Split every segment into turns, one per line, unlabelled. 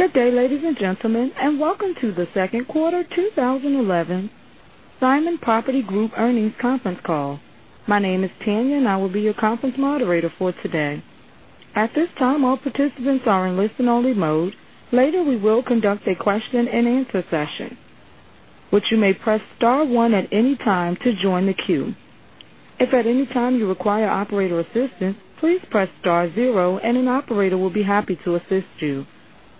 Okay, ladies and gentlemen, and welcome to the Second Quarter 2011 Simon Property Group Earnings Conference Call. My name is Tanya, and I will be your conference moderator for today. At this time, all participants are in listen-only mode. Later, we will conduct a question and answer session, which you may press star one at any time to join the queue. If at any time you require operator assistance, please press star zero, and an operator will be happy to assist you.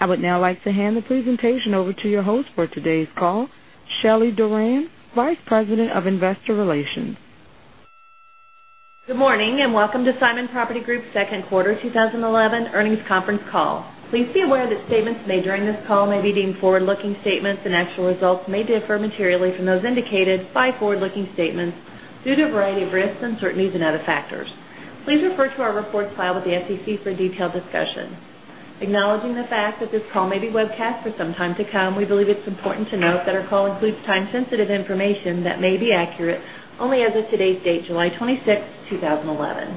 I would now like to hand the presentation over to your host for today's call, Shelly Doran, Vice President of Investor Relations.
Good morning, and welcome to Simon Property Group's Second Quarter 2011 Earnings Conference Call. Please be aware that statements made during this call may be deemed forward-looking statements, and actual results may differ materially from those indicated by forward-looking statements due to a variety of risks, uncertainties, and other factors. Please refer to our reports filed with the SEC for detailed discussion. Acknowledging the fact that this call may be webcast for some time to come, we believe it's important to note that our call includes time-sensitive information that may be accurate only as of today's date, July 26th, 2011.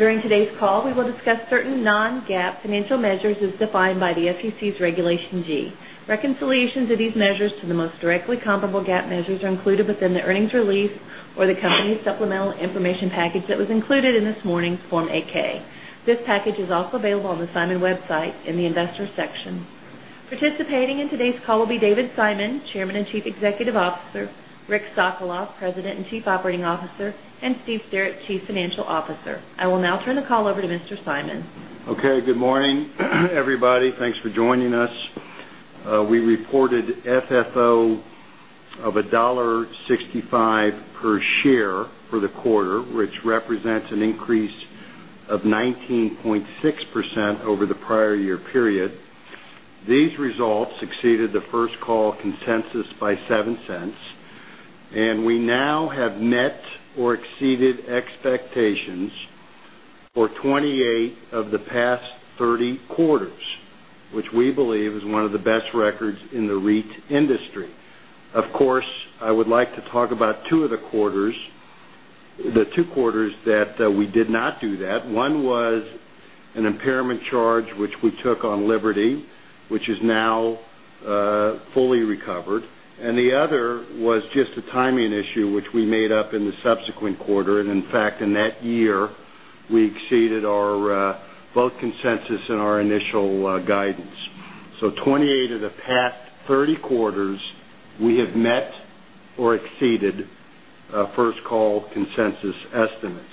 During today's call, we will discuss certain non-GAAP financial measures as defined by the SEC's Regulation G. Reconciliations of these measures to the most directly comparable GAAP measures are included within the earnings release or the company's supplemental information package that was included in this morning's Form 8-K. This package is also available on the Simon website in the Investor section. Participating in today's call will be David Simon, Chairman and Chief Executive Officer; Richard Sokolov, President and Chief Operating Officer; and Stephen Sterrett, Chief Financial Officer. I will now turn the call over to Mr. Simon.
Okay, good morning, everybody. Thanks for joining us. We reported FFO of $1.65 per share for the quarter, which represents an increase of 19.6% over the prior year period. These results exceeded the First Call consensus by $0.07, and we now have met or exceeded expectations for 28 of the past 30 quarters, which we believe is one of the best records in the REIT industry. Of course, I would like to talk about two of the quarters, the two quarters that we did not do that. One was an impairment charge, which we took on Liberty, which is now fully recovered. The other was just a timing issue, which we made up in the subsequent quarter. In fact, in that year, we exceeded both consensus and our initial guidance. So 28 of the past 30 quarters, we have met or exceeded First Call consensus estimates.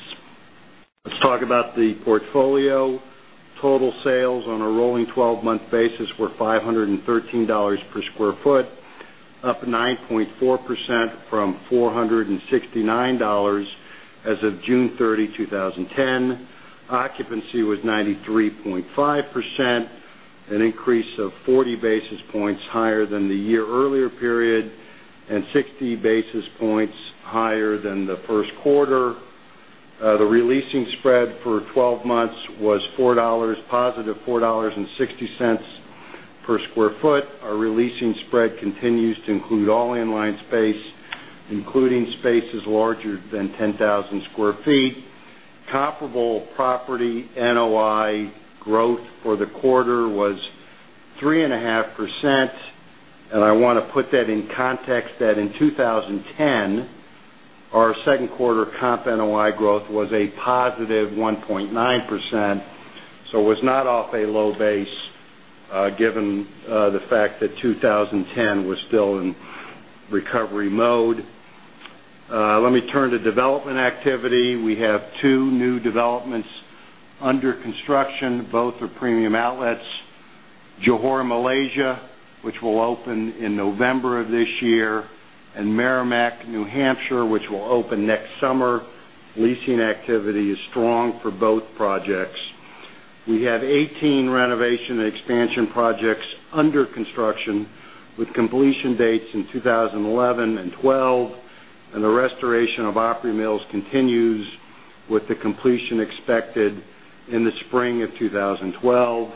Let's talk about the portfolio. Total sales on a rolling 12-month basis were $513 per square foot, up 9.4% from $469 as of June 30th, 2010. Occupancy was 93.5%, an increase of 40 basis points higher than the year earlier period, and 60 basis points higher than the first quarter. The releasing spread for 12 months was $4.00, positive $4.60 per square foot. Our releasing spread continues to include all inline space, including spaces larger than 10,000 square feet. Comparable property NOI growth for the quarter was 3.5%. I want to put that in context that in 2010, our second quarter comp NOI growth was a positive 1.9%. It was not off a low base, given the fact that 2010 was still in recovery mode. Let me turn to development activity. We have two new developments under construction. Both are Premium Outlets: Johor, Malaysia, which will open in November of this year, and Merrimack, New Hampshire, which will open next summer. Leasing activity is strong for both projects. We have 18 renovation and expansion projects under construction with completion dates in 2011 and 2012. The restoration of Opry Mills continues with the completion expected in the spring of 2012.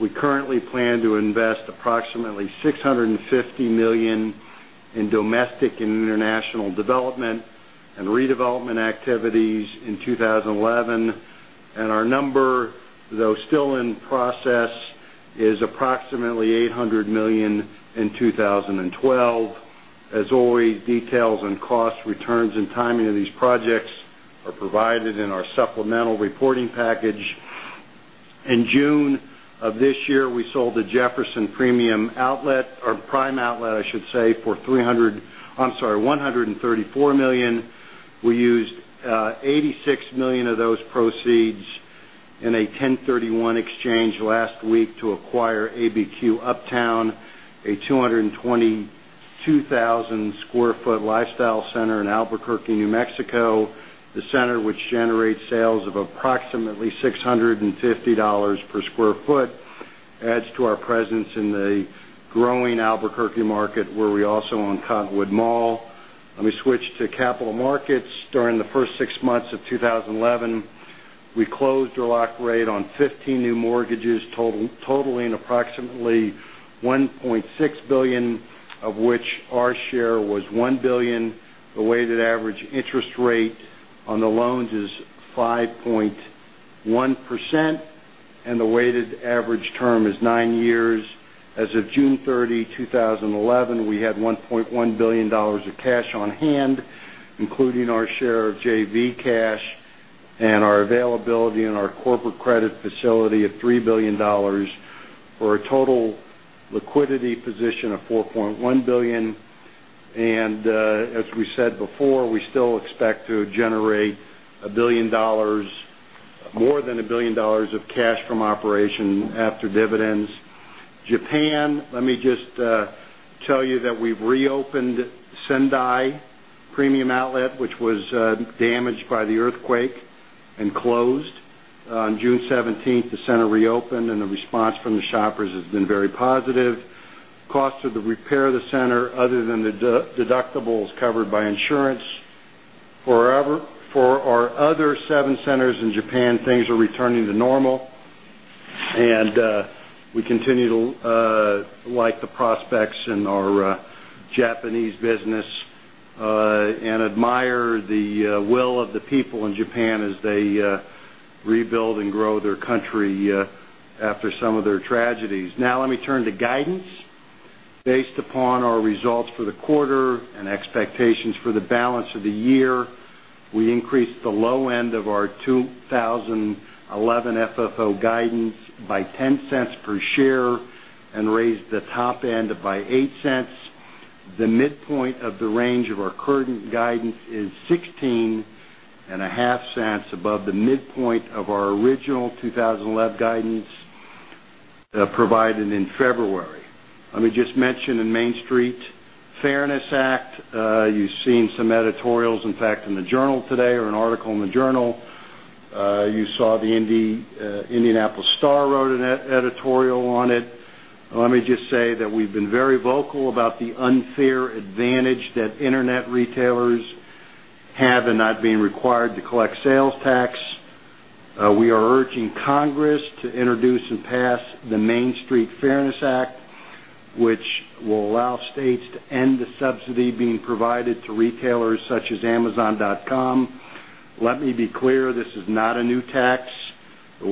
We currently plan to invest approximately $650 million in domestic and international development and redevelopment activities in 2011. Our number, though still in process, is approximately $800 million in 2012. As always, details on costs, returns, and timing of these projects are provided in our supplemental reporting package. In June of this year, we sold a Jefferson Premium Outlet, or Prime Outlet, I should say, for $134 million. We used $86 million of those proceeds in a 1031 exchange last week to acquire ABQ Uptown, a 222,000 square foot lifestyle center in Albuquerque, New Mexico. The center, which generates sales of approximately $650 per square foot, adds to our presence in the growing Albuquerque market, where we also own Cottonwood Mall. Let me switch to capital markets. During the first six months of 2011, we closed our lock rate on 15 new mortgages, totaling approximately $1.6 billion, of which our share was $1 billion. The weighted average interest rate on the loans is 5.1%, and the weighted average term is nine years. As of June 30th, 2011, we had $1.1 billion of cash on hand, including our share of JV cash and our availability in our corporate credit facility of $3 billion for a total liquidity position of $4.1 billion. As we said before, we still expect to generate a billion dollars, more than a billion dollars of cash from operation after dividends. Japan, let me just tell you that we reopened Sendai Premium Outlet, which was damaged by the earthquake and closed. On June 17th, the center reopened, and the response from the shoppers has been very positive. Costs of the repair of the center, other than the deductibles covered by insurance, forever. For our other seven centers in Japan, things are returning to normal. We continue to like the prospects in our Japanese business and admire the will of the people in Japan as they rebuild and grow their country after some of their tragedies. Now, let me turn to guidance. Based upon our results for the quarter and expectations for the balance of the year, we increased the low end of our 2011 FFO guidance by $0.10 per share and raised the top end by $0.08. The midpoint of the range of our current guidance is $0.165 above the midpoint of our original 2011 guidance provided in February. Let me just mention in Main Street Fairness Act, you've seen some editorials, in fact, in the Journal today or an article in the Journal. You saw the Indianapolis Star wrote an editorial on it. Let me just say that we've been very vocal about the unfair advantage that internet retailers have in not being required to collect sales tax. We are urging Congress to introduce and pass the Main Street Fairness Act, which will allow states to end the subsidy being provided to retailers such as amazon.com. Let me be clear, this is not a new tax. It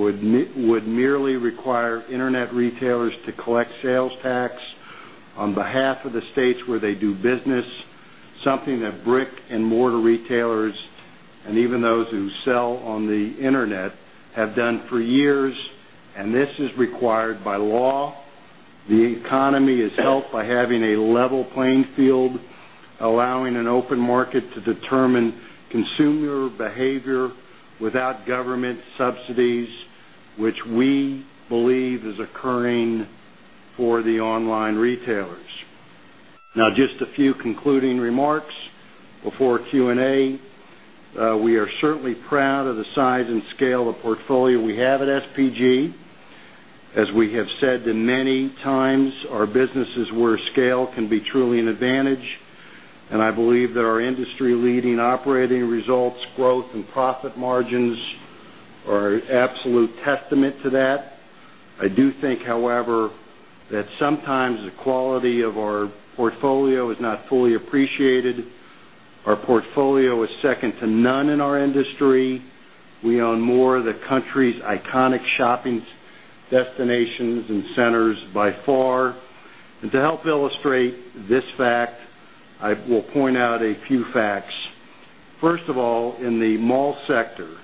would merely require internet retailers to collect sales tax on behalf of the states where they do business, something that brick and mortar retailers and even those who sell on the internet have done for years, and this is required by law. The economy is helped by having a level playing field, allowing an open market to determine consumer behavior without government subsidies, which we believe is occurring for the online retailers. Now, just a few concluding remarks before Q&A. We are certainly proud of the size and scale of the portfolio we have at SPG. As we have said many times, our business is where scale can be truly an advantage. I believe that our industry-leading operating results, growth, and profit margins are an absolute testament to that. I do think, however, that sometimes the quality of our portfolio is not fully appreciated. Our portfolio is second to none in our industry. We own more of the country's iconic shopping destinations and centers by far. To help illustrate this fact, I will point out a few facts. First of all, in the mall sector,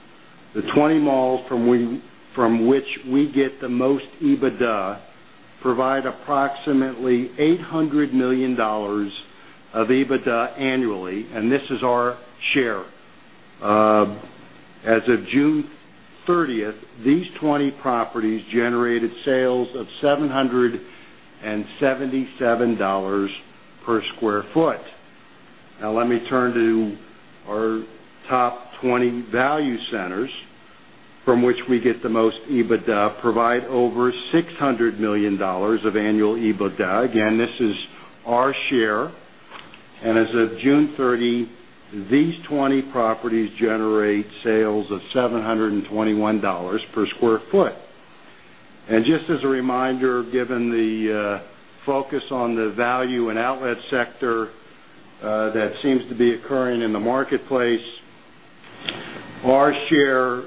the 20 malls from which we get the most EBITDA provide approximately $800 million of EBITDA annually, and this is our share. As of June 30th, these 20 properties generated sales of $777 per square foot. Now, let me turn to our top 20 value centers from which we get the most EBITDA provide over $600 million of annual EBITDA. Again, this is our share. As of June 30th, these 20 properties generate sales of $721 per square foot. Just as a reminder, given the focus on the value and outlet sector that seems to be occurring in the marketplace, our share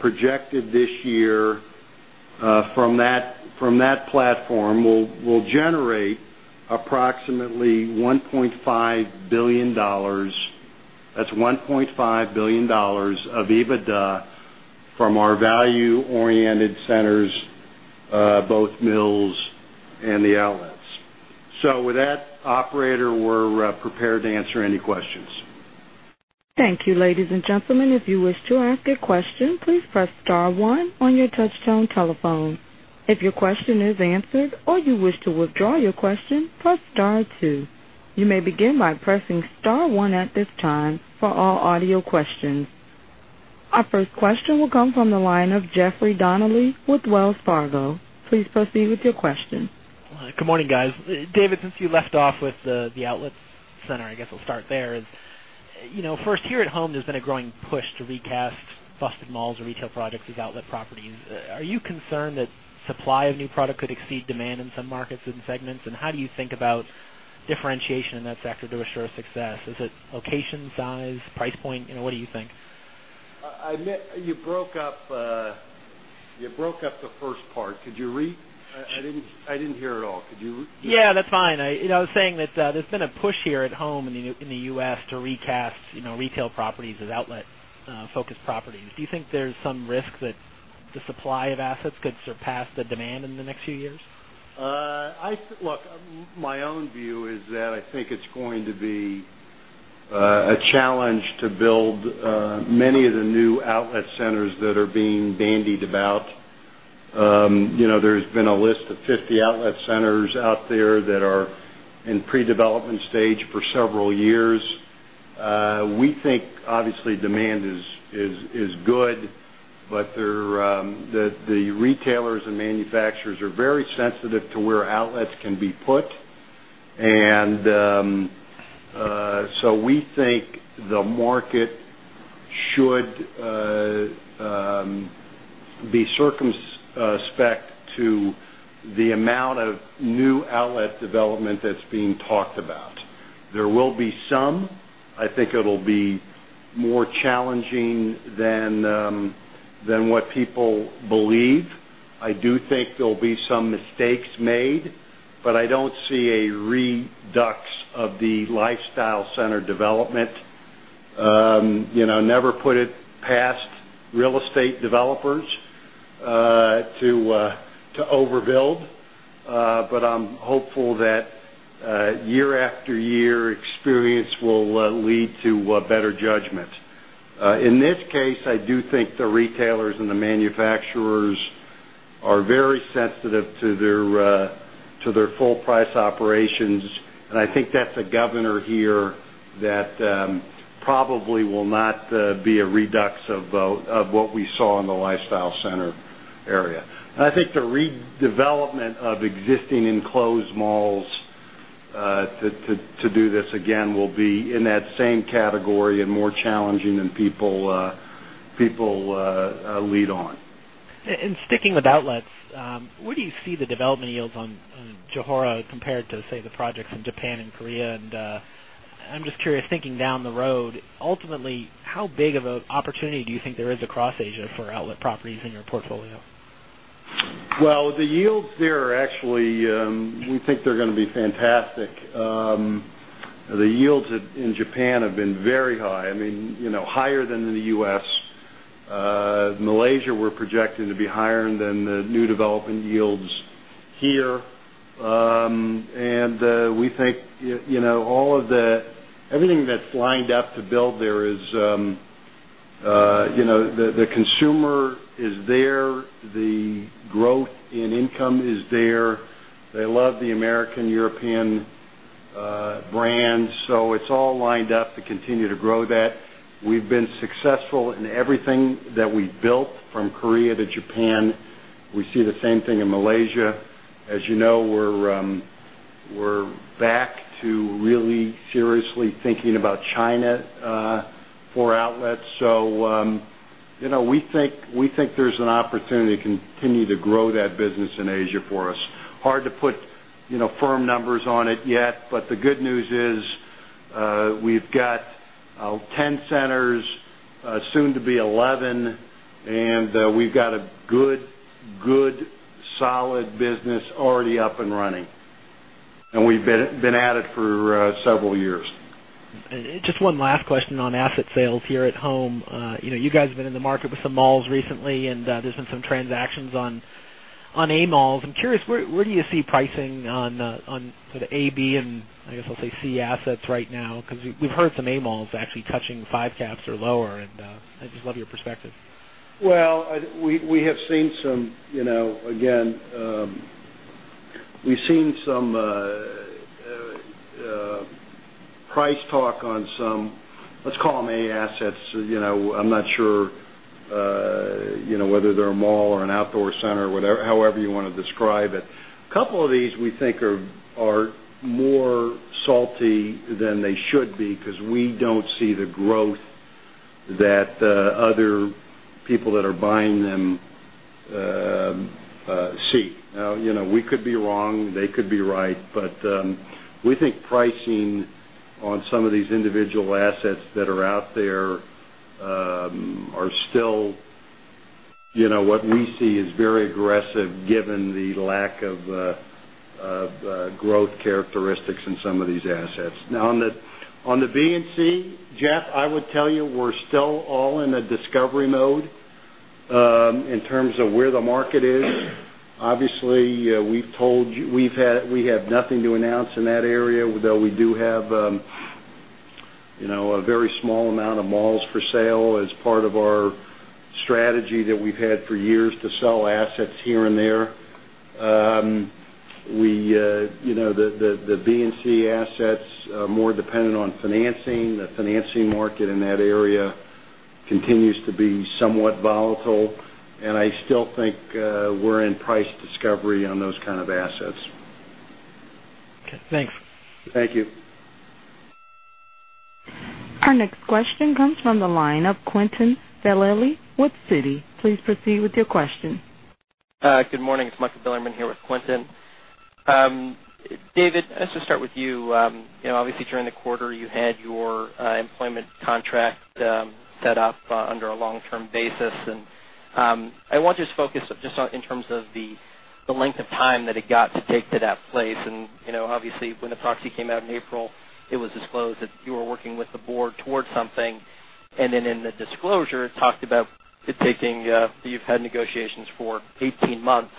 projected this year from that platform will generate approximately $1.5 billion. That's $1.5 billion of EBITDA from our value-oriented centers, both mills and the outlets. With that, operator, we're prepared to answer any questions.
Thank you, ladies and gentlemen. If you wish to ask a question, please press star one on your touch-tone telephone. If your question is answered or you wish to withdraw your question, press star two. You may begin by pressing star one at this time for all audio questions. Our first question will come from the line of Jeffrey Donnelly with Wells Fargo. Please proceed with your question.
Good morning, guys. David, since you left off with the outlet center, I guess I'll start there. First, here at home, there's been a growing push to recast busted malls or retail projects, these outlet properties. Are you concerned that supply of new product could exceed demand in some markets and segments? How do you think about differentiation in that sector to assure success? Is it location, size, price point? What do you think?
You broke up the first part. Could you read? I didn't hear it all. Could you?
Yeah, that's fine. I was saying that there's been a push here at home in the U.S. to recast, you know, retail properties as outlet-focused properties. Do you think there's some risk that the supply of assets could surpass the demand in the next few years?
Look, my own view is that I think it's going to be a challenge to build many of the new outlet centers that are being bandied about. There's been a list of 50 outlet centers out there that are in pre-development stage for several years. We think, obviously, demand is good, but the retailers and manufacturers are very sensitive to where outlets can be put. We think the market should be circumspect to the amount of new outlet development that's being talked about. There will be some. I think it'll be more challenging than what people believe. I do think there'll be some mistakes made, but I don't see a redux of the lifestyle center development. Never put it past real estate developers to overbuild. I'm hopeful that year after year, experience will lead to better judgment. In this case, I do think the retailers and the manufacturers are very sensitive to their full-price operations. I think that's a governor here that probably will not be a redux of what we saw in the lifestyle center area. I think the redevelopment of existing enclosed malls to do this again will be in that same category and more challenging than people lead on.
Sticking with outlets, what do you see the development yields on Johor compared to, say, the projects in Japan and Korea? I'm just curious, thinking down the road, ultimately, how big of an opportunity do you think there is across Asia for outlet properties in your portfolio?
The yields there are actually, we think they're going to be fantastic. The yields in Japan have been very high, higher than in the U.S. Malaysia, we're projecting to be higher than the new development yields here. We think all of the everything that's lined up to build there is, the consumer is there. The growth in income is there. They love the American-European brands. It's all lined up to continue to grow that. We've been successful in everything that we've built from Korea to Japan. We see the same thing in Malaysia. As you know, we're back to really seriously thinking about China for outlets. We think there's an opportunity to continue to grow that business in Asia for us. Hard to put firm numbers on it yet, but the good news is we've got 10 centers, soon to be 11, and we've got a good, good, solid business already up and running. We've been at it for several years.
Just one last question on asset sales here at home. You know, you guys have been in the market with some malls recently, and there's been some transactions on A malls. I'm curious, where do you see pricing on sort of A, B, and I guess I'll say C assets right now? Because we've heard some A malls actually touching 5% caps or lower, and I'd just love your perspective.
We have seen some, you know, again, we've seen some price talk on some, let's call them A assets. I'm not sure, you know, whether they're a mall or an outdoor center or whatever, however you want to describe it. A couple of these we think are more salty than they should be because we don't see the growth that other people that are buying them seek. Now, you know, we could be wrong. They could be right. We think pricing on some of these individual assets that are out there are still, you know, what we see is very aggressive given the lack of growth characteristics in some of these assets. On the B and C, Jeff, I would tell you we're still all in a discovery mode in terms of where the market is. Obviously, we've told you we have nothing to announce in that area, though we do have, you know, a very small amount of malls for sale as part of our strategy that we've had for years to sell assets here and there. The B and C assets are more dependent on financing. The financing market in that area continues to be somewhat volatile. I still think we're in price discovery on those kind of assets.
Okay. Thanks.
Thank you.
Our next question comes from the line of Quintin Velleley with Citi. Please proceed with your question.
Good morning. It's Michael Billerman here with Quintin. David, I guess I'll start with you. Obviously, during the quarter, you had your employment contract set up under a long-term basis. I want to just focus on the length of time that it got to take to that place. Obviously, when the proxy came out in April, it was disclosed that you were working with the board towards something. In the disclosure, it talked about it taking that you've had negotiations for 18 months.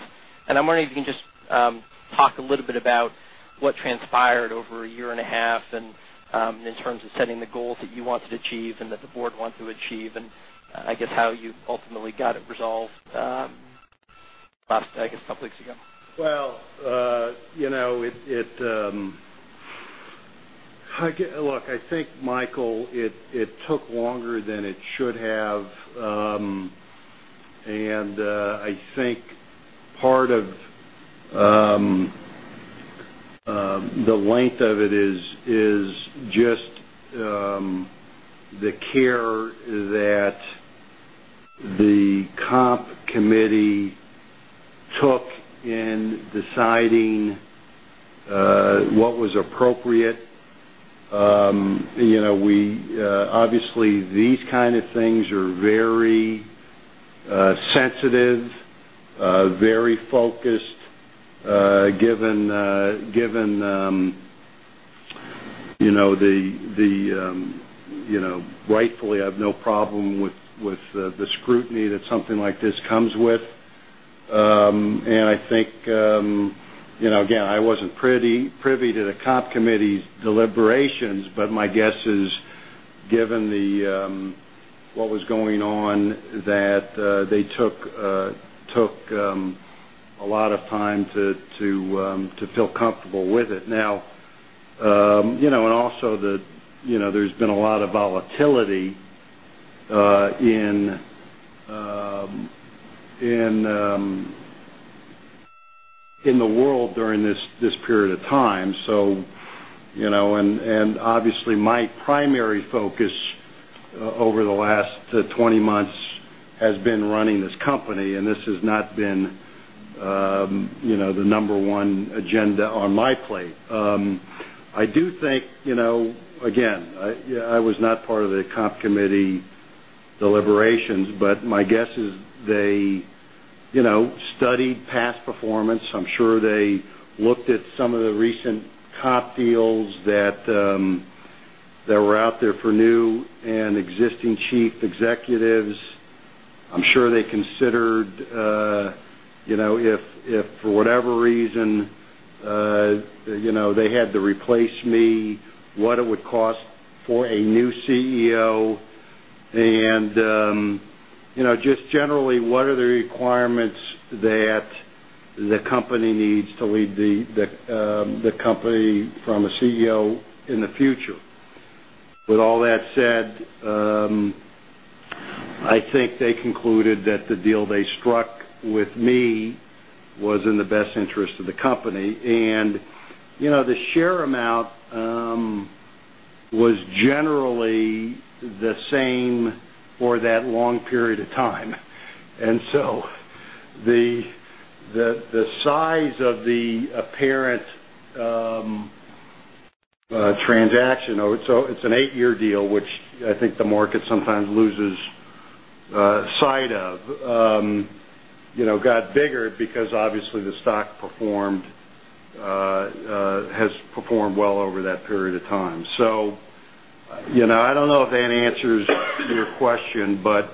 I'm wondering if you can just talk a little bit about what transpired over a year and a half in terms of setting the goals that you wanted to achieve and that the board wanted to achieve, and how you ultimately got it resolved a couple of weeks ago.
I get, look, I think, Michael, it took longer than it should have. I think part of the length of it is just the care that the comp committee took in deciding what was appropriate. Obviously, these kind of things are very sensitive, very focused, given, you know, rightfully, I have no problem with the scrutiny that something like this comes with. I think, again, I wasn't privy to the comp committee's deliberations, but my guess is given what was going on, that they took a lot of time to feel comfortable with it. Also, there's been a lot of volatility in the world during this period of time. Obviously, my primary focus over the last 20 months has been running this company, and this has not been the number one agenda on my plate. I do think, again, I was not part of the comp committee deliberations, but my guess is they studied past performance. I'm sure they looked at some of the recent comp deals that were out there for new and existing chief executives. I'm sure they considered if for whatever reason they had to replace me, what it would cost for a new CEO, and just generally, what are the requirements that the company needs to lead the company from a CEO in the future. With all that said, I think they concluded that the deal they struck with me was in the best interest of the company. The share amount was generally the same for that long period of time. The size of the apparent transaction, it's an eight-year deal, which I think the market sometimes loses sight of, got bigger because the stock has performed well over that period of time. I don't know if that answers your question, but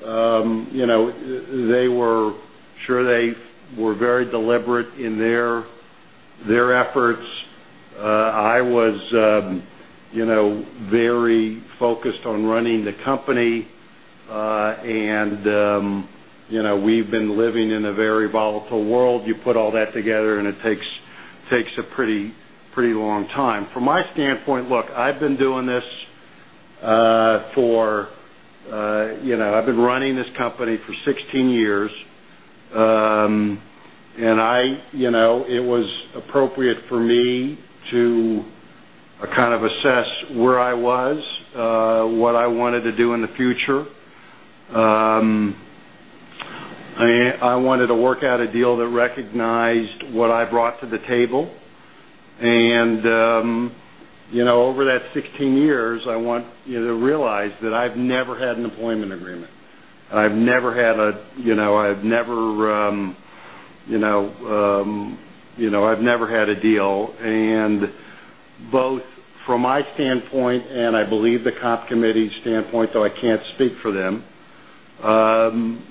they were sure they were very deliberate in their efforts. I was very focused on running the company. We've been living in a very volatile world. You put all that together, and it takes a pretty, pretty long time. From my standpoint, I've been doing this for, I've been running this company for 16 years. It was appropriate for me to kind of assess where I was, what I wanted to do in the future. I wanted to work out a deal that recognized what I brought to the table. Over that 16 years, I want you to realize that I've never had an employment agreement. I've never had a deal. Both from my standpoint and I believe the comp committee's standpoint, though I can't speak for them,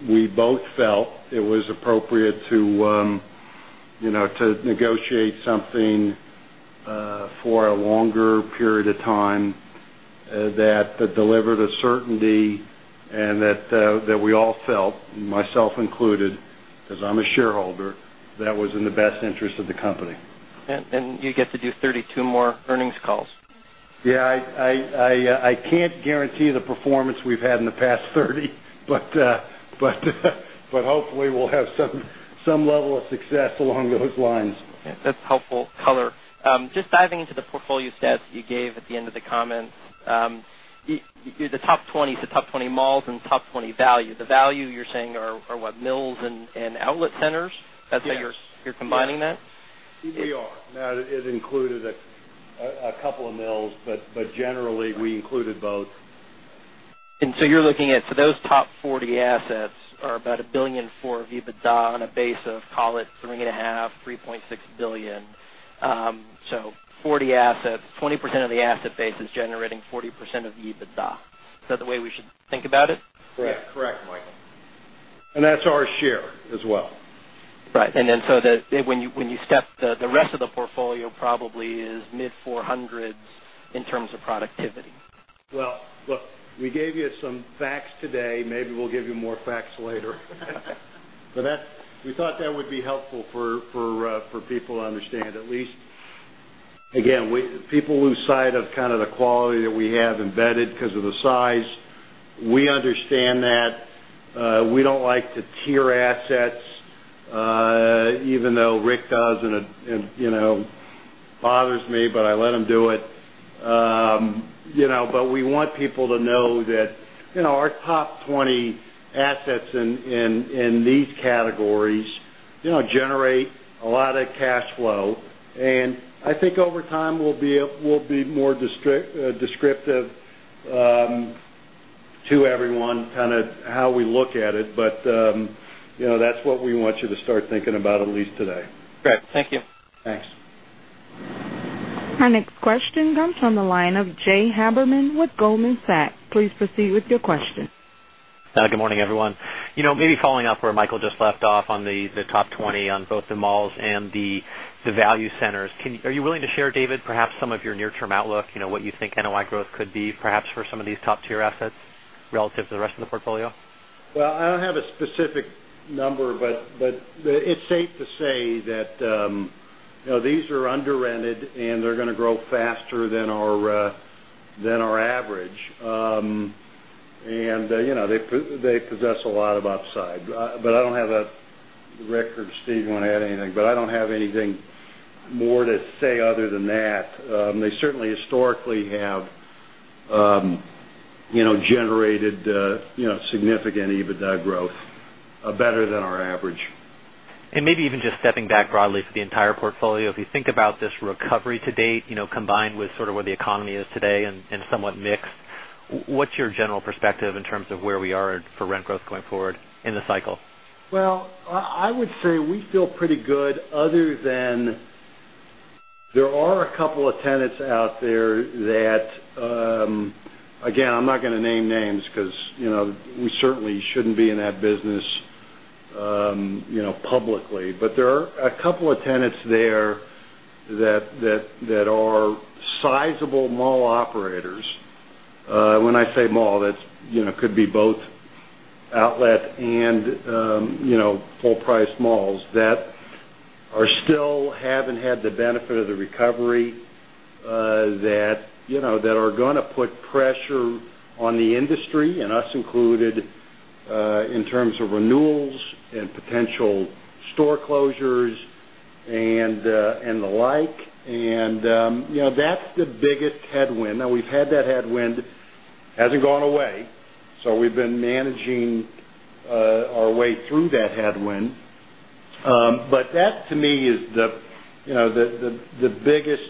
we both felt it was appropriate to negotiate something for a longer period of time that delivered a certainty and that we all felt, myself included, because I'm a shareholder, that was in the best interest of the company.
You get to do 32 more earnings calls.
Yeah, I can't guarantee the performance we've had in the past 30, but hopefully, we'll have some level of success along those lines.
That's helpful color. Just diving into the portfolio stats that you gave at the end of the comment, the top 20, the top 20 malls and top 20 value. The value you're saying are what? Mills and outlet centers?
Yes.
You're combining that?
We are. It included a couple of mills, but generally, we included both.
You're looking at those top 40 assets or about $1 billion for EBITDA on a base of, call it, $3.5 billion, $3.6 billion. Forty assets, 20% of the asset base is generating 40% of the EBITDA. Is that the way we should think about it?
Correct, Michael. That's our share as well.
Right. When you step, the rest of the portfolio probably is mid-$400s in terms of productivity.
Look, we gave you some facts today. Maybe we'll give you more facts later. We thought that would be helpful for people to understand. At least, again, people lose sight of the quality that we have embedded because of the size. We understand that. We don't like to tier assets, even though Rick does, and it bothers me, but I let him do it. We want people to know that our top 20 assets in these categories generate a lot of cash flow. I think over time, we'll be more descriptive to everyone, kind of how we look at it. That's what we want you to start thinking about at least today.
Great. Thank you.
Thanks.
Our next question comes from the line of Jay Haberman with Goldman Sachs. Please proceed with your question.
Good morning, everyone. Maybe following up where Michael just left off on the top 20 on both the malls and the value centers, are you willing to share, David, perhaps some of your near-term outlook, what you think NOI growth could be perhaps for some of these top-tier assets relative to the rest of the portfolio?
I don't have a specific number, but it's safe to say that these are under-rented, and they're going to grow faster than our average. They possess a lot of upside. I don't have, if Rick or Steve want to add anything, but I don't have anything more to say other than that. They certainly historically have generated significant EBITDA growth better than our average.
Maybe even just stepping back broadly for the entire portfolio, if you think about this recovery to date, combined with sort of where the economy is today and somewhat mixed, what's your general perspective in terms of where we are for rent growth going forward in the cycle?
I would say we feel pretty good other than there are a couple of tenants out there that, again, I'm not going to name names because we certainly shouldn't be in that business publicly. There are a couple of tenants that are sizable mall operators. When I say mall, that could be both outlet and full-price malls that still haven't had the benefit of the recovery that are going to put pressure on the industry and us included in terms of renewals and potential store closures and the like. That's the biggest headwind. We've had that headwind. It hasn't gone away. We've been managing our way through that headwind. That, to me, is the biggest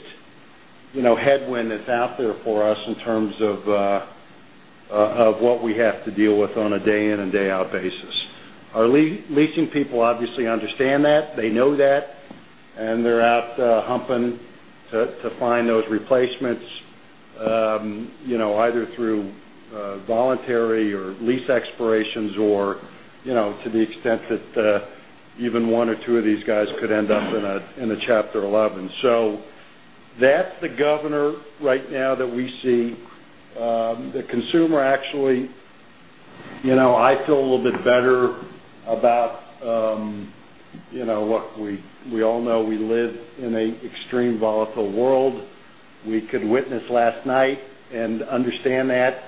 headwind that's out there for us in terms of what we have to deal with on a day-in and day-out basis. Our leasing people obviously understand that. They know that. They're out humping to find those replacements, either through voluntary or lease expirations or to the extent that even one or two of these guys could end up in a Chapter 11. That's the governor right now that we see. The consumer actually, I feel a little bit better about. Look, we all know we live in an extremely volatile world. We could witness last night and understand that,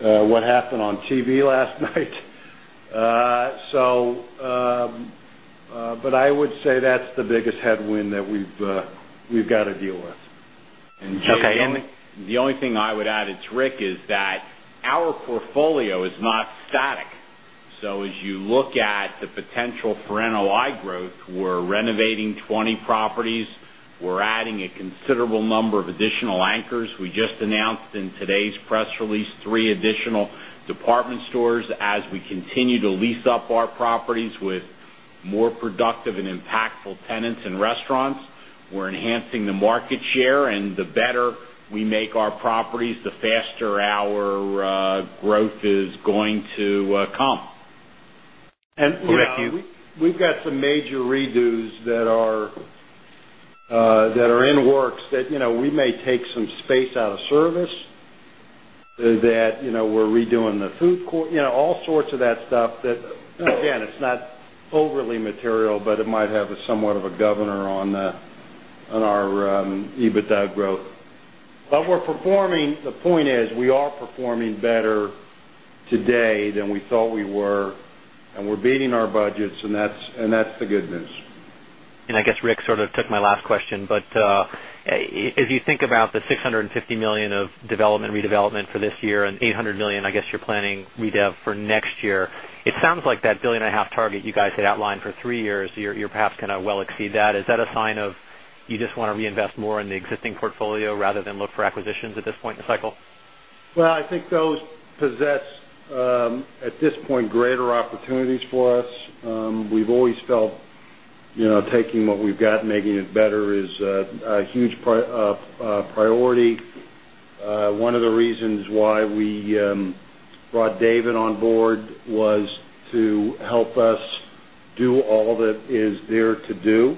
what happened on TV last night. I would say that's the biggest headwind that we've got to deal with.
The only thing I would add, it's Rick, is that our portfolio is not static. As you look at the potential for NOI growth, we're renovating 20 properties. We're adding a considerable number of additional anchors. We just announced in today's press release three additional department stores as we continue to lease up our properties with more productive and impactful tenants and restaurants. We're enhancing the market share, and the better we make our properties, the faster our growth is going to come.
We have some major redos that are in works that, you know, we may take some space out of service that, you know, we're redoing the food court, all sorts of that stuff that, again, it's not overly material, but it might have somewhat of a governor on our EBITDA growth. We are performing, the point is we are performing better today than we thought we were. We're beating our budgets, and that's the good news.
I guess Rick sort of took my last question, but if you think about the $650 million of development and redevelopment for this year and $800 million, I guess you're planning redevelopment for next year, it sounds like that billion and a half target you guys had outlined for three years, you're perhaps going to well exceed that. Is that a sign of you just want to reinvest more in the existing portfolio rather than look for acquisitions at this point in the cycle?
I think those possess, at this point, greater opportunities for us. We've always felt, you know, taking what we've got and making it better is a huge priority. One of the reasons why we brought David on board was to help us do all that is there to do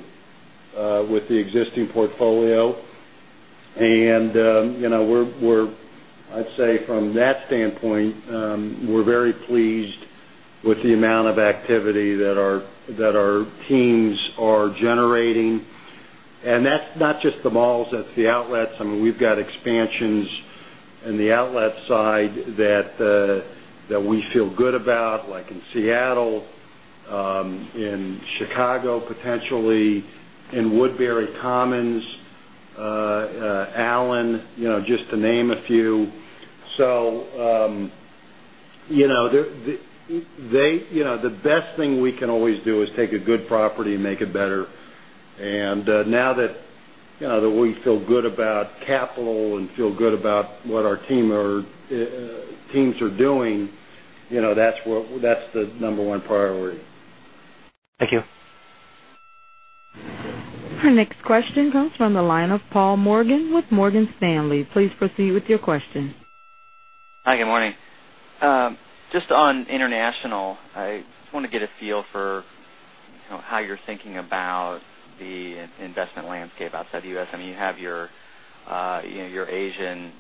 with the existing portfolio. I'd say from that standpoint, we're very pleased with the amount of activity that our teams are generating. That's not just the malls, that's the outlets. We've got expansions in the outlet side that we feel good about, like in Seattle, in Chicago, potentially in Woodbury Commons, Allen, just to name a few. The best thing we can always do is take a good property and make it better. Now that we feel good about capital and feel good about what our teams are doing, that's the number one priority.
Thank you.
Our next question comes from the line of Paul Morgan with Morgan Stanley. Please proceed with your question.
Hi, good morning. Just on international, I want to get a feel for how you're thinking about the investment landscape outside the U.S. I mean, you have your Asian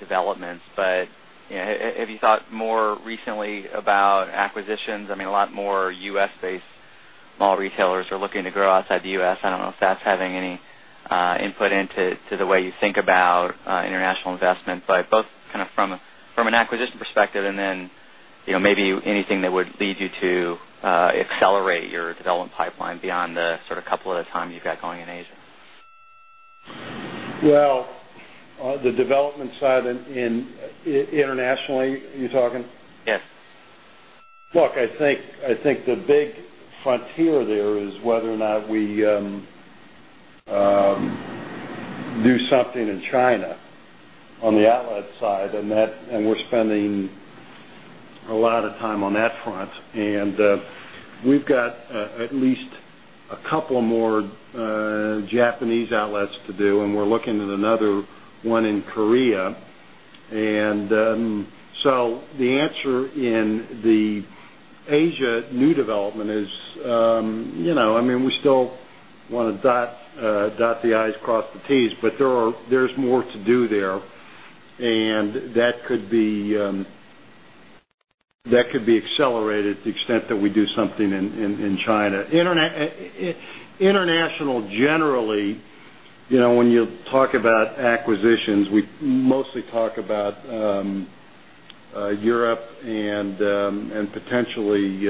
developments, but have you thought more recently about acquisitions? I mean, a lot more U.S.-based mall retailers are looking to grow outside the U.S. I don't know if that's having any input into the way you think about international investments, both from an acquisition perspective and maybe anything that would lead you to accelerate your development pipeline beyond the couple of times you've got going in Asia.
On the development side and internationally, you're talking?
Yes.
Look, I think the big frontier there is whether or not we do something in China on the outlet side, and we're spending a lot of time on that front. We've got at least a couple more Japanese outlets to do, and we're looking at another one in Korea. The answer in the Asia new development is, you know, we still want to dot the I's, cross the T's, but there's more to do there. That could be accelerated to the extent that we do something in China. Internationally, generally, when you talk about acquisitions, we mostly talk about Europe and potentially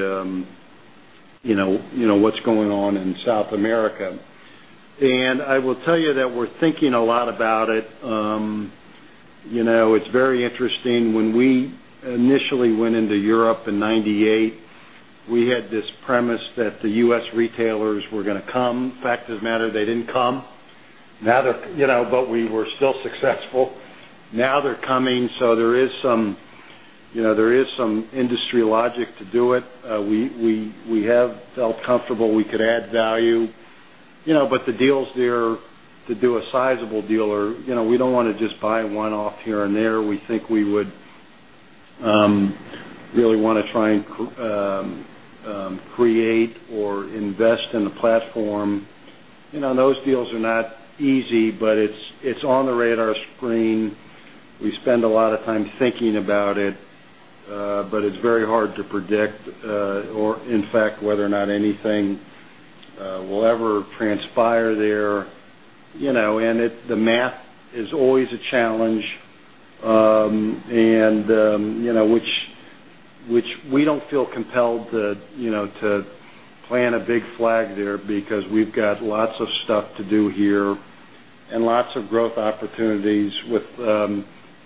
what's going on in South America. I will tell you that we're thinking a lot about it. It's very interesting. When we initially went into Europe in 1998, we had this premise that the U.S. retailers were going to come. Fact of the matter, they didn't come. Now they're, you know, but we were still successful. Now they're coming. There is some industry logic to do it. We have felt comfortable we could add value, but the deals there to do a sizable deal are, you know, we don't want to just buy one off here and there. We think we would really want to try and create or invest in the platform. Those deals are not easy, but it's on the radar screen. We spend a lot of time thinking about it, but it's very hard to predict, or in fact, whether or not anything will ever transpire there. The math is always a challenge, and we don't feel compelled to plant a big flag there because we've got lots of stuff to do here and lots of growth opportunities with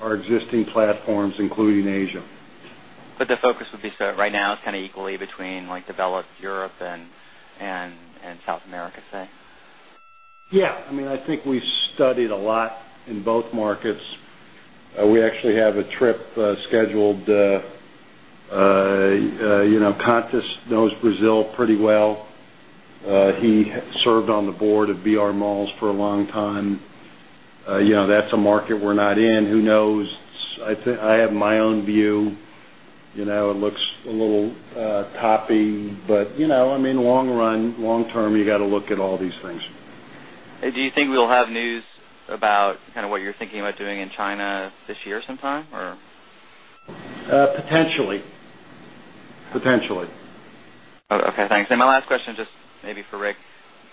our existing platforms, including Asia.
The focus would be right now is kind of equally between developed Europe and South America, say?
Yeah, I think we've studied a lot in both markets. We actually have a trip scheduled. Contas knows Brazil pretty well. He served on the board of BR Malls for a long time. That's a market we're not in. Who knows? I think I have my own view. It looks a little toppy, but long run, long term, you got to look at all these things.
Do you think we'll have news about kind of what you're thinking about doing in China this year sometime?
Potentially. Potentially.
Okay. Thanks. My last question is just maybe for Rick.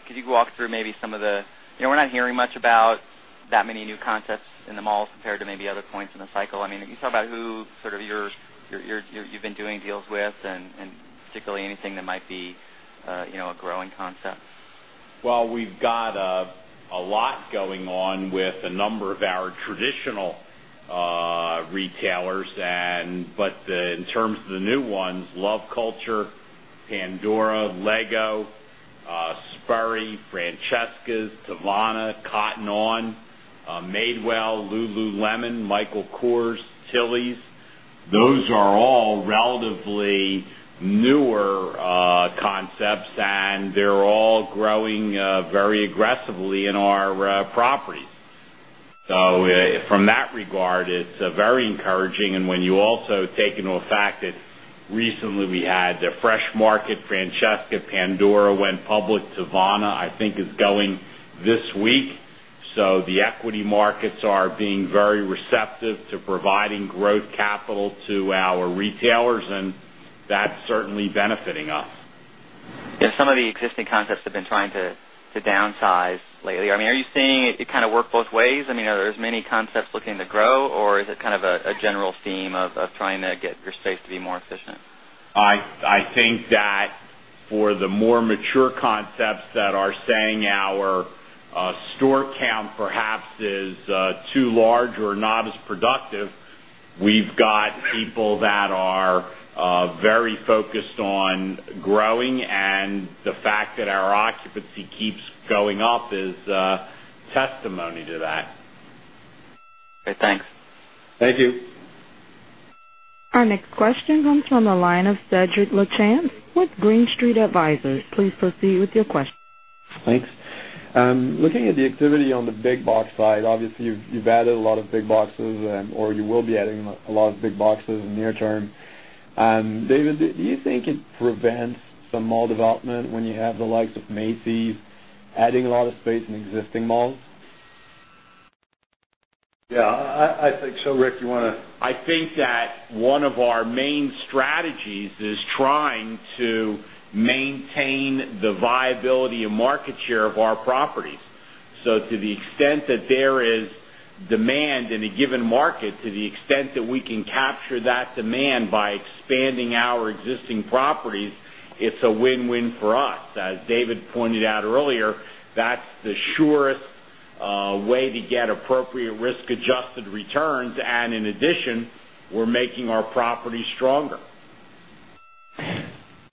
Could you walk through maybe some of the, you know, we're not hearing much about that many new concepts in the malls compared to maybe other points in the cycle. I mean, can you talk about who sort of you've been doing deals with and particularly anything that might be, you know, a growing concept?
We have a lot going on with a number of our traditional retailers. In terms of the new ones, Love Culture, Pandora, Lego, Sperry, Francesca's, Teavana, Cotton On, Madewell, Lululemon, Michael Kors, Tilly's, those are all relatively newer concepts, and they're all growing very aggressively in our properties. From that regard, it's very encouraging. When you also take into effect that recently we had the Fresh Market, Francesca's, Pandora went public, Teavana, I think is going this week. The equity markets are being very receptive to providing growth capital to our retailers, and that's certainly benefiting us.
Yeah, some of the existing concepts have been trying to downsize lately. Are you seeing it kind of work both ways? Are there as many concepts looking to grow, or is it kind of a general theme of trying to get your space to be more efficient?
I think that for the more mature concepts that are saying our store count perhaps is too large or not as productive, we've got people that are very focused on growing, and the fact that our occupancy keeps going up is testimony to that.
Great. Thanks.
Thank you.
Our next question comes from the line of Cedric Lachance with Green Street Advisor. Please proceed with your question.
Thanks. Looking at the activity on the big box side, obviously, you've added a lot of big boxes, or you will be adding a lot of big boxes in the near term. David, do you think it prevents some mall development when you have the likes of Macy's adding a lot of space in existing malls?
Yeah, I think so. Rick, you want to.
I think that one of our main strategies is trying to maintain the viability and market share of our properties. To the extent that there is demand in a given market, to the extent that we can capture that demand by expanding our existing properties, it's a win-win for us. As David pointed out earlier, that's the surest way to get appropriate risk-adjusted returns. In addition, we're making our properties stronger.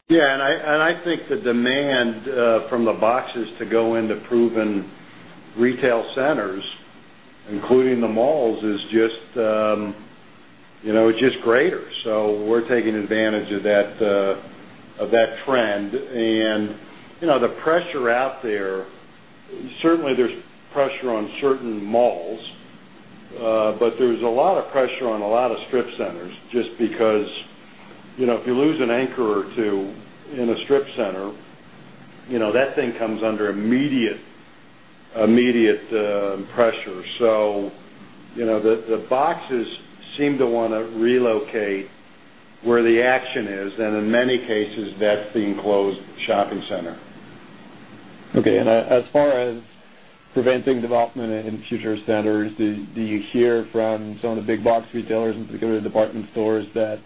Yeah, I think the demand from the boxes to go into proven retail centers, including the malls, is just, you know, it's just greater. We're taking advantage of that trend. The pressure out there, certainly, there's pressure on certain malls, but there's a lot of pressure on a lot of strip centers just because, you know, if you lose an anchor or two in a strip center, that thing comes under immediate pressure. The boxes seem to want to relocate where the action is, and in many cases, that's the enclosed shopping center.
As far as preventing development in future centers, do you hear from some of the big box retailers, in particular department stores, that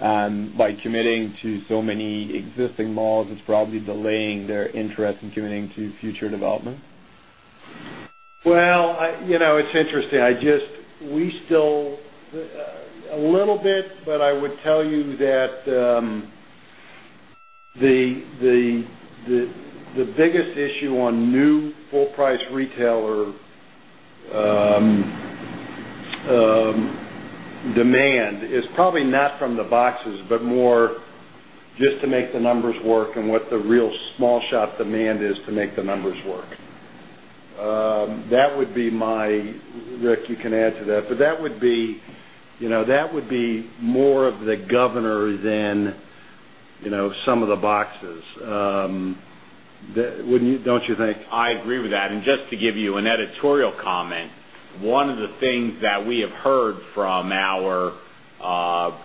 by committing to so many existing malls, it's probably delaying their interest in committing to future development?
It's interesting. I just, we still a little bit, but I would tell you that the biggest issue on new full-price retailer demand is probably not from the boxes, but more just to make the numbers work and what the real small shop demand is to make the numbers work. That would be my, Rick, you can add to that, but that would be, you know, that would be more of the governor than, you know, some of the boxes. Don't you think?
I agree with that. Just to give you an editorial comment, one of the things that we have heard from our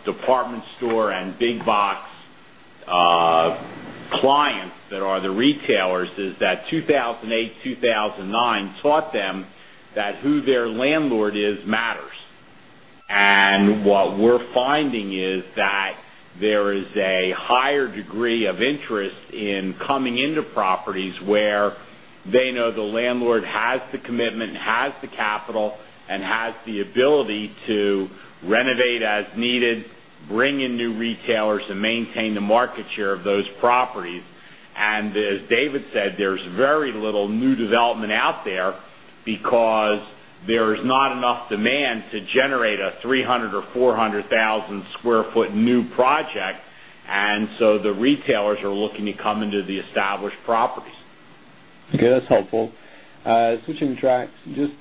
department store and big box clients that are the retailers is that 2008, 2009 taught them that who their landlord is matters. What we're finding is that there is a higher degree of interest in coming into properties where they know the landlord has the commitment, has the capital, and has the ability to renovate as needed, bring in new retailers, and maintain the market share of those properties. As David said, there's very little new development out there because there's not enough demand to generate a 300,000 or 400,000 square foot new project. The retailers are looking to come into the established properties.
Okay, that's helpful. Switching tracks, just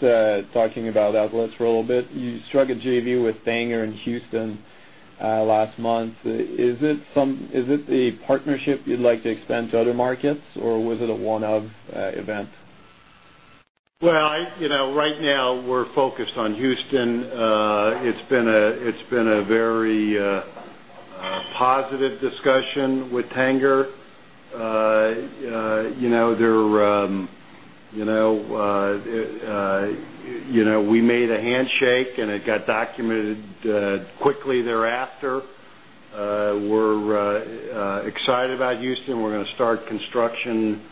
talking about outlets for a little bit, you struck a JV with Tanger in Houston last month. Is it a partnership you'd like to expand to other markets, or was it a one-off event?
Right now we're focused on Houston. It's been a very positive discussion with Tanger. We made a handshake, and it got documented quickly thereafter. We're excited about Houston. We're going to start construction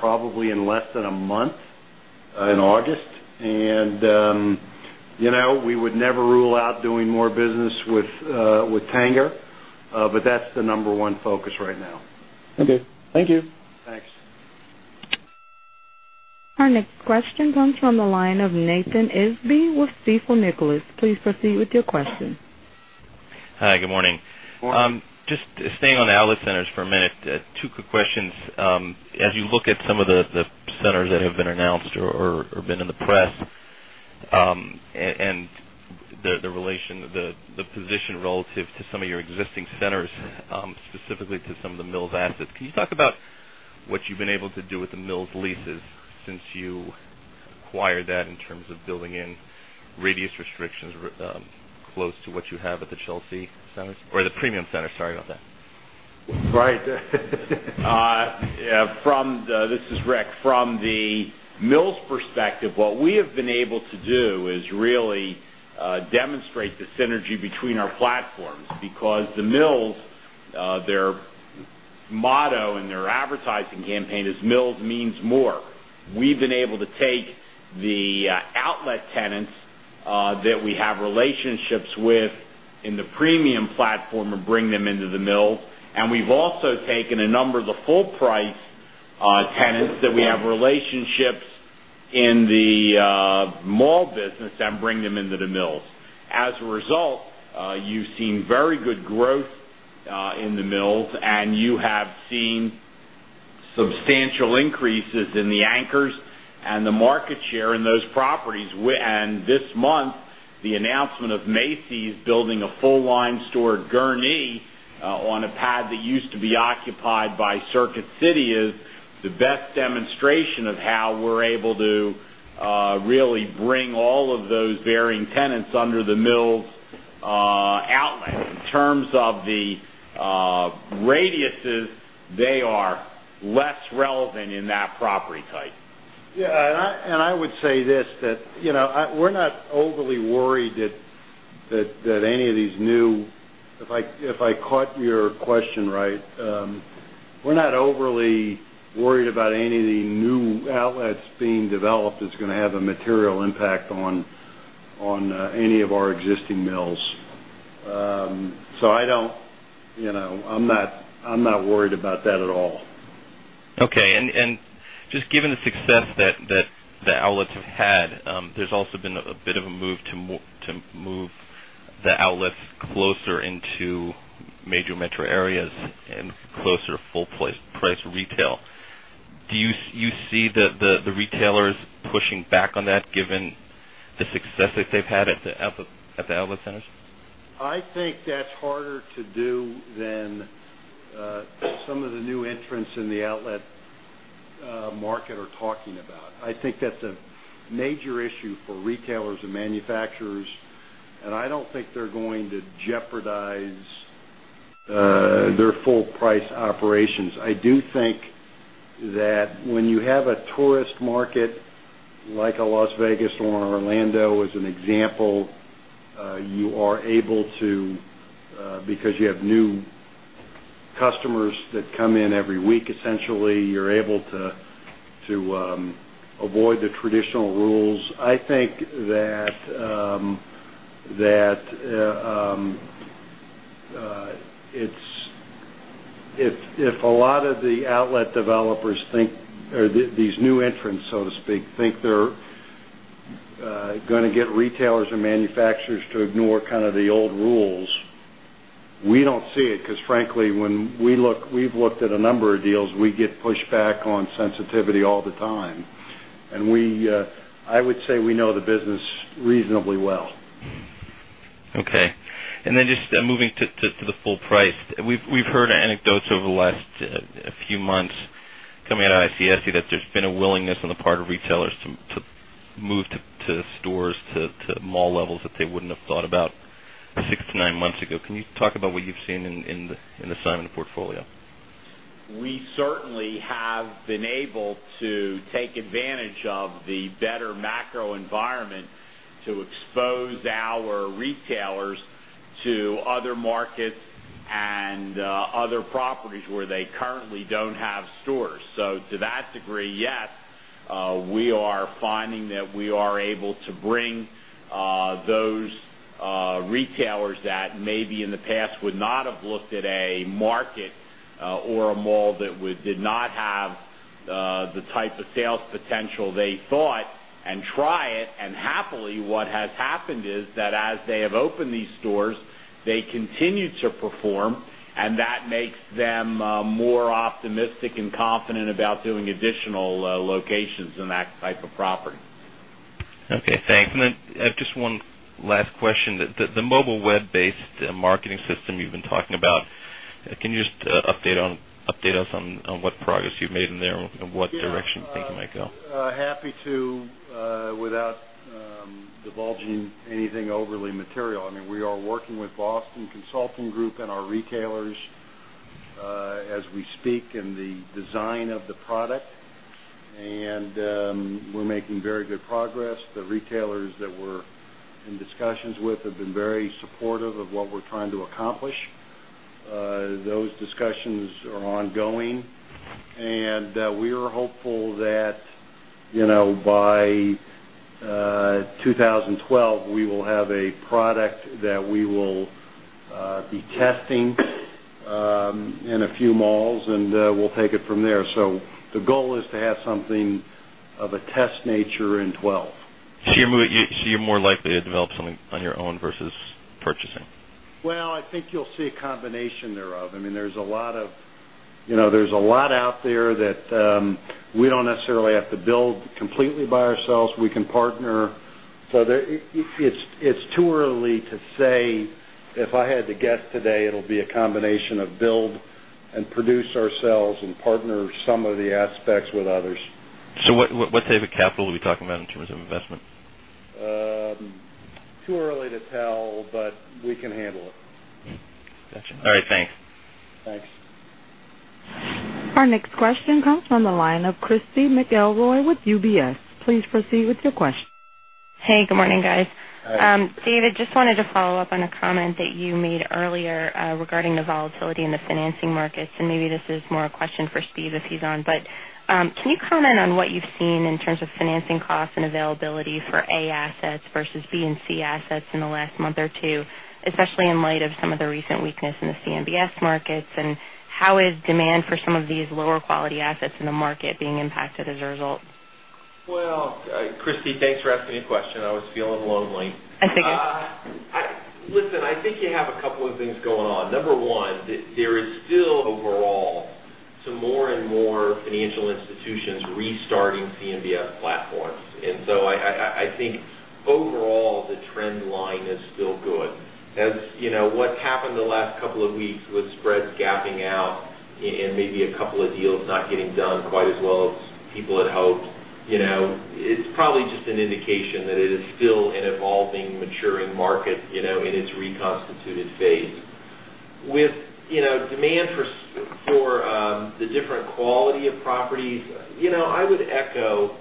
probably in less than a month in August. We would never rule out doing more business with Tanger, but that's the number one focus right now.
Okay, thank you.
Thanks.
Our next question comes from the line of Nathan Isbee with Stifel Nicolaus. Please proceed with your question.
Hi, good morning.
Morning.
Just staying on the outlet centers for a minute, two quick questions. As you look at some of the centers that have been announced or been in the press and the position relative to some of your existing centers, specifically to some of the Mills assets, can you talk about what you've been able to do with the Mills' leases since you acquired that in terms of building in radius restrictions close to what you have at the Chelsea centers or the Premium centers? Sorry about that.
Right. Yeah, this is Rick. From the mills' perspective, what we have been able to do is really demonstrate the synergy between our platforms because the Mills, their motto and their advertising campaign is, "Mills Means More." We've been able to take the outlet tenants that we have relationships with in the Premium platform and bring them into the mill. We've also taken a number of the full-price tenants that we have relationships with in the mall business and bring them into the Mills. As a result, you've seen very good growth in the Mills, and you have seen substantial increases in the anchors and the market share in those properties. This month, the announcement of Macy's building a full-line store at Gurnee on a pad that used to be occupied by Circuit City is the best demonstration of how we're able to really bring all of those varying tenants under the Mills' outlet. In terms of the radiuses, they are less relevant in that property type.
I would say this, that we're not overly worried that any of these new, if I caught your question right, we're not overly worried about any of the new outlets being developed that's going to have a material impact on any of our existing mills. I don't, you know, I'm not worried about that at all.
Okay. Given the success that the outlets have had, there's also been a bit of a move to move the outlets closer into major metro areas and closer to full-price retail. Do you see the retailers pushing back on that given the success that they've had at the outlet centers?
I think that's harder to do than some of the new entrants in the outlet market are talking about. I think that's a major issue for retailers and manufacturers. I don't think they're going to jeopardize their full-price operations. I do think that when you have a tourist market like a Las Vegas or Orlando as an example, you are able to, because you have new customers that come in every week, essentially, you're able to avoid the traditional rules. I think that if a lot of the outlet developers think, or these new entrants, so to speak, think they're going to get retailers and manufacturers to ignore kind of the old rules, we don't see it because frankly, when we look, we've looked at a number of deals, we get pushback on sensitivity all the time. I would say we know the business reasonably well.
Okay. Just moving to the full price, we've heard anecdotes over the last few months coming out of ICSE that there's been a willingness on the part of retailers to move to stores to mall levels that they wouldn't have thought about six to nine months ago. Can you talk about what you've seen in the Simon portfolio?
We certainly have been able to take advantage of the better macro environment to expose our retailers to other markets and other properties where they currently don't have stores. To that degree, yes, we are finding that we are able to bring those retailers that maybe in the past would not have looked at a market or a mall that did not have the type of sales potential they thought and try it. Happily, what has happened is that as they have opened these stores, they continue to perform, and that makes them more optimistic and confident about doing additional locations in that type of property.
Okay. Thanks. Just one last question. The mobile web-based marketing system you've been talking about, can you update us on what progress you've made in there and what direction you think it might go?
Happy to, without divulging anything overly material. I mean, we are working with Boston Consulting Group and our retailers as we speak in the design of the product, and we're making very good progress. The retailers that we're in discussions with have been very supportive of what we're trying to accomplish. Those discussions are ongoing. We are hopeful that, you know, by 2012, we will have a product that we will be testing in a few malls, and we'll take it from there. The goal is to have something of a test nature in 2012.
You're more likely to develop something on your own versus purchasing?
I think you'll see a combination thereof. There's a lot out there that we don't necessarily have to build completely by ourselves. We can partner. It's too early to say. If I had to guess today, it'll be a combination of build and produce ourselves and partner some of the aspects with others.
What type of capital are we talking about in terms of investment?
Too early to tell, but we can handle it.
All right. Thanks.
Thanks.
Our next question comes from the line of Christy McElroy with UBS. Please proceed with your question.
Hey, good morning, guys. David, just wanted to follow up on a comment that you made earlier regarding the volatility in the financing markets. Maybe this is more a question for Steve if he's on. Can you comment on what you've seen in terms of financing costs and availability for A assets versus B and C assets in the last month or two, especially in light of some of the recent weakness in the CMBS markets? How is demand for some of these lower quality assets in the market being impacted as a result?
Christy, thanks for asking me a question. I was feeling lonely.
That's okay.
Listen, I think you have a couple of things going on. Number one, there is still overall more and more financial institutions restarting CMBS platforms. I think overall, the trend line is still good. That's what happened the last couple of weeks with spreads gapping out and maybe a couple of deals not getting done quite as well as people had hoped. It's probably just an indication that it is still an evolving, maturing market in its reconstituted phase. With demand for the different quality of properties, I would echo,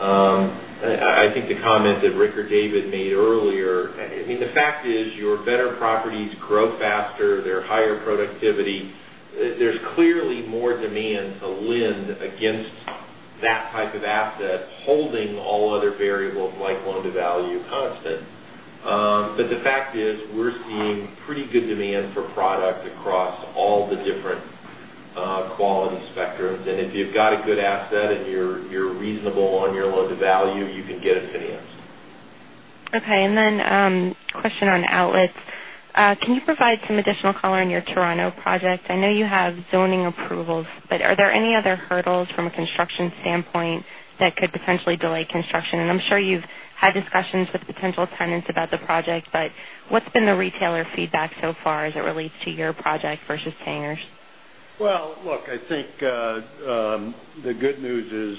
I think, the comment that Rick or David made earlier. The fact is your better properties grow faster. They're higher productivity. There's clearly more demand to lend against that type of asset, holding all other variables like loan-to-value constant. The fact is we're seeing pretty good demand for product across all the different quality spectrums. If you've got a good asset and you're reasonable on your loan-to-value, you can get it financed.
Okay. A question on outlets. Can you provide some additional color on your Toronto project? I know you have zoning approvals, but are there any other hurdles from a construction standpoint that could potentially delay construction? I'm sure you've had discussions with potential tenants about the project, but what's been the retailer feedback so far as it relates to your project versus Tanger's?
I think the good news is,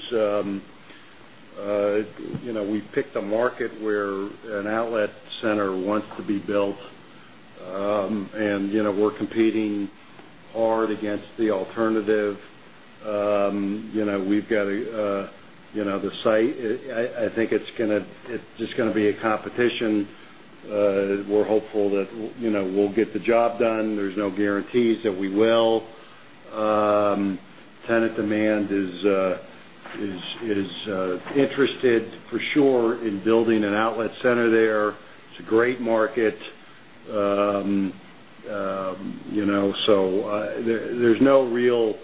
you know, we've picked a market where an outlet center wants to be built. You know, we're competing hard against the alternative. You know, we've got the site. I think it's going to, it's just going to be a competition. We're hopeful that, you know, we'll get the job done. There's no guarantees that we will. Tenant demand is interested for sure in building an outlet center there. It's a great market. There's no real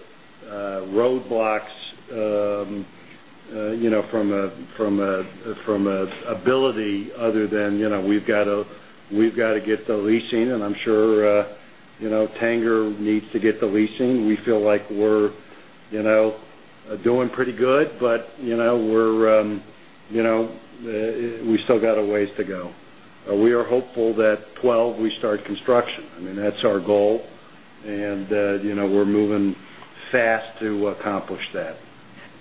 roadblocks, you know, from an ability other than, you know, we've got to get the leasing. I'm sure, you know, Tanger needs to get the leasing. We feel like we're, you know, doing pretty good, but you know, we still got a ways to go. We are hopeful that 2012 we start construction. I mean, that's our goal. You know, we're moving fast to accomplish that.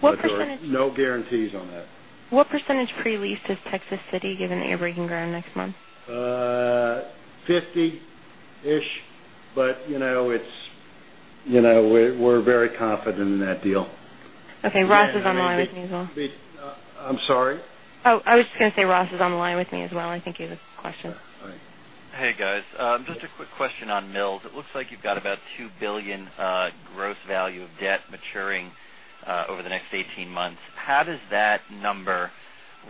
What percentage?
No guarantees on that.
What percentage pre-lease is Texas City, given that you're breaking ground next month?
50-ish, but we're very confident in that deal.
Okay, Ross is on the line with me as well.
I'm sorry?
Oh, I was just going to say Ross is on the line with me as well. I think he has a question.
Hey, guys. Just a quick question on mills. It looks like you've got about $2 billion gross value of debt maturing over the next 18 months. How does that number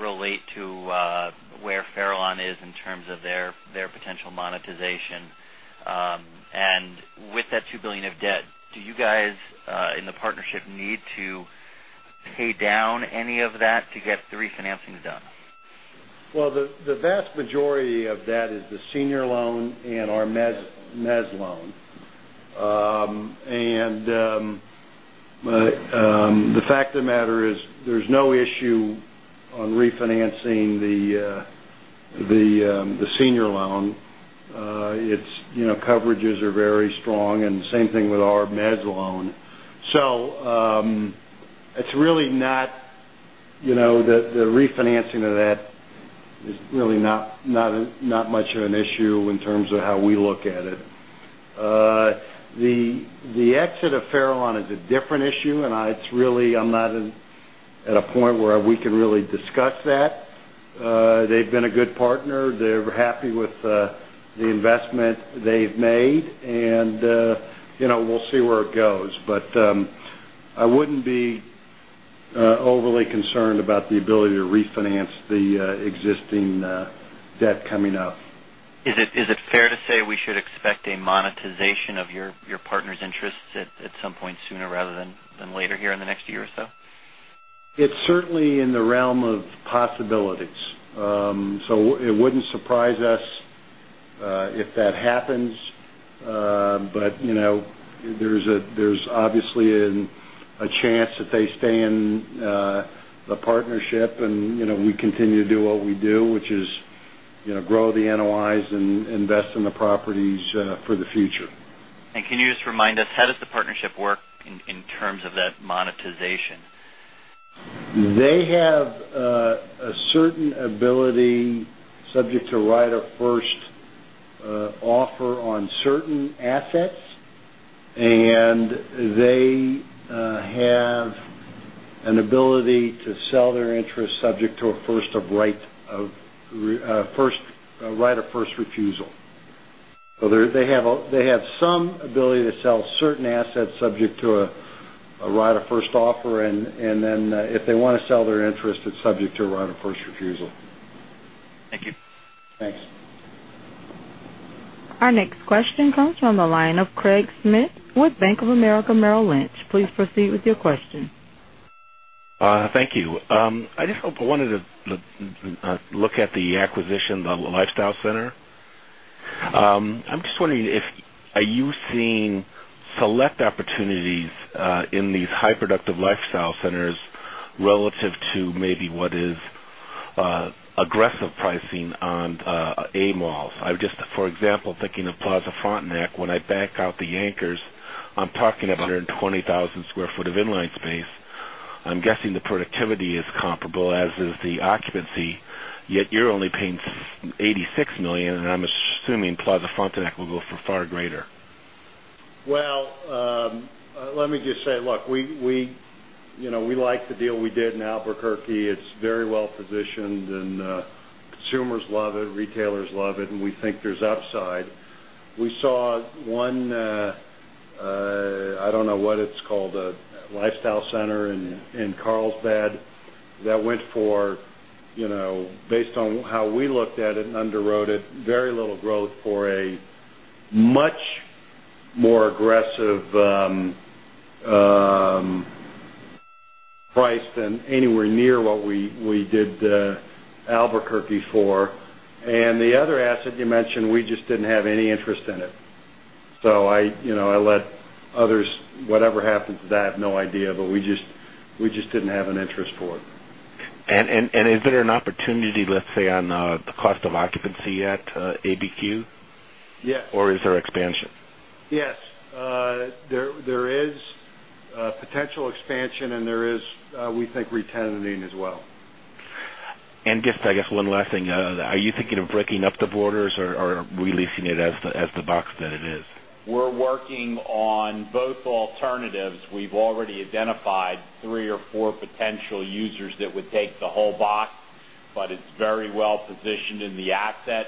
relate to where Fairlawn is in terms of their potential monetization? With that $2 billion of debt, do you guys in the partnership need to pay down any of that to get the refinancing done?
The vast majority of that is the senior loan and our mez loan. The fact of the matter is there's no issue on refinancing the senior loan. Its coverages are very strong, and the same thing with our mez loan. It's really not, you know, the refinancing of that is really not much of an issue in terms of how we look at it. The exit of Fairlwan is a different issue, and it's really, I'm not at a point where we can really discuss that. They've been a good partner. They're happy with the investment they've made, and you know, we'll see where it goes. I wouldn't be overly concerned about the ability to refinance the existing debt coming up.
Is it fair to say we should expect a monetization of your partner's interests at some point sooner rather than later in the next year or so?
It's certainly in the realm of possibilities. It wouldn't surprise us if that happens. There's obviously a chance that they stay in the partnership and we continue to do what we do, which is grow the NOIs and invest in the properties for the future.
Can you just remind us, how does the partnership work in terms of that monetization?
They have a certain ability, subject to a right of first offer on certain assets. They have an ability to sell their interests subject to a right of first refusal. They have some ability to sell certain assets subject to a right of first offer, and if they want to sell their interest, it's subject to a right of first refusal.
Thank you.
Thanks.
Our next question comes from the line of Craig Schmidt with Bank of America Merril Lynch. Please proceed with your question.
Thank you. I just wanted to look at the acquisition of the lifestyle center. I'm just wondering if you've seen select opportunities in these high-productive lifestyle centers relative to maybe what is aggressive pricing on A malls. For example, thinking of Plaza Frontenac. When I back out the anchors, I'm talking about 120,000 square foot of inline space. I'm guessing the productivity is comparable as is the occupancy. Yet you're only paying $86 million, and I'm assuming Plaza Frontenac will go for far greater.
Let me just say, look, we like the deal we did in Albuquerque. It's very well positioned, and consumers love it, retailers love it, and we think there's upside. We saw one, I don't know what it's called, a Lifestyle center in Carlsbad that went for, based on how we looked at it and underwrote it, very little growth for a much more aggressive price than anywhere near what we did Albuquerque for. The other asset you mentioned, we just didn't have any interest in it. I let others, whatever happens to that, I have no idea, but we just didn't have an interest for it.
Is there an opportunity, let's say, on the cost of occupancy at ABQ?
Yeah.
Is there expansion?
Yes, there is potential expansion, and there is, we think, retention as well.
I guess, one last thing. Are you thinking of breaking up the borders or releasing it as the box that it is?
We're working on both alternatives. We've already identified three or four potential users that would take the whole box. It's very well positioned in the asset,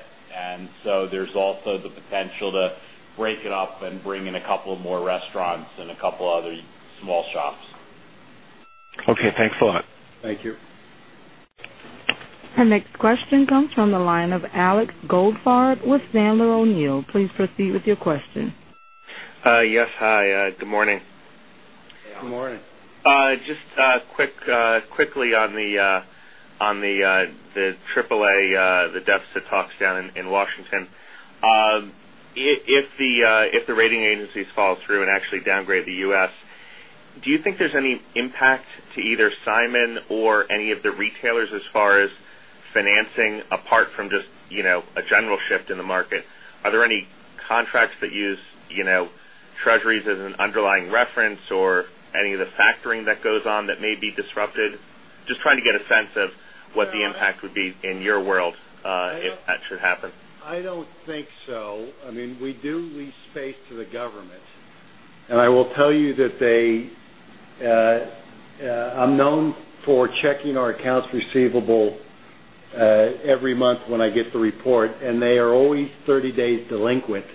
so there's also the potential to break it up and bring in a couple more restaurants and a couple other small shops.
Okay, thanks a lot.
Thank you.
Our next question comes from the line of Alex Goldfarb with Sandler O'Neill. Please proceed with your question.
Yes, hi. Good morning.
Good morning.
Just quickly on the AAA, the deficit talks down in Washington. If the rating agencies follow through and actually downgrade the U.S., do you think there's any impact to either Simon or any of the retailers as far as financing, apart from just, you know, a general shift in the market? Are there any contracts that use, you know, treasuries as an underlying reference or any of the factoring that goes on that may be disrupted? Just trying to get a sense of what the impact would be in your world if that should happen.
I don't think so. I mean, we do lease space to the government. I will tell you that they, I'm known for checking our accounts receivable every month when I get the report, and they are always 30 days delinquent.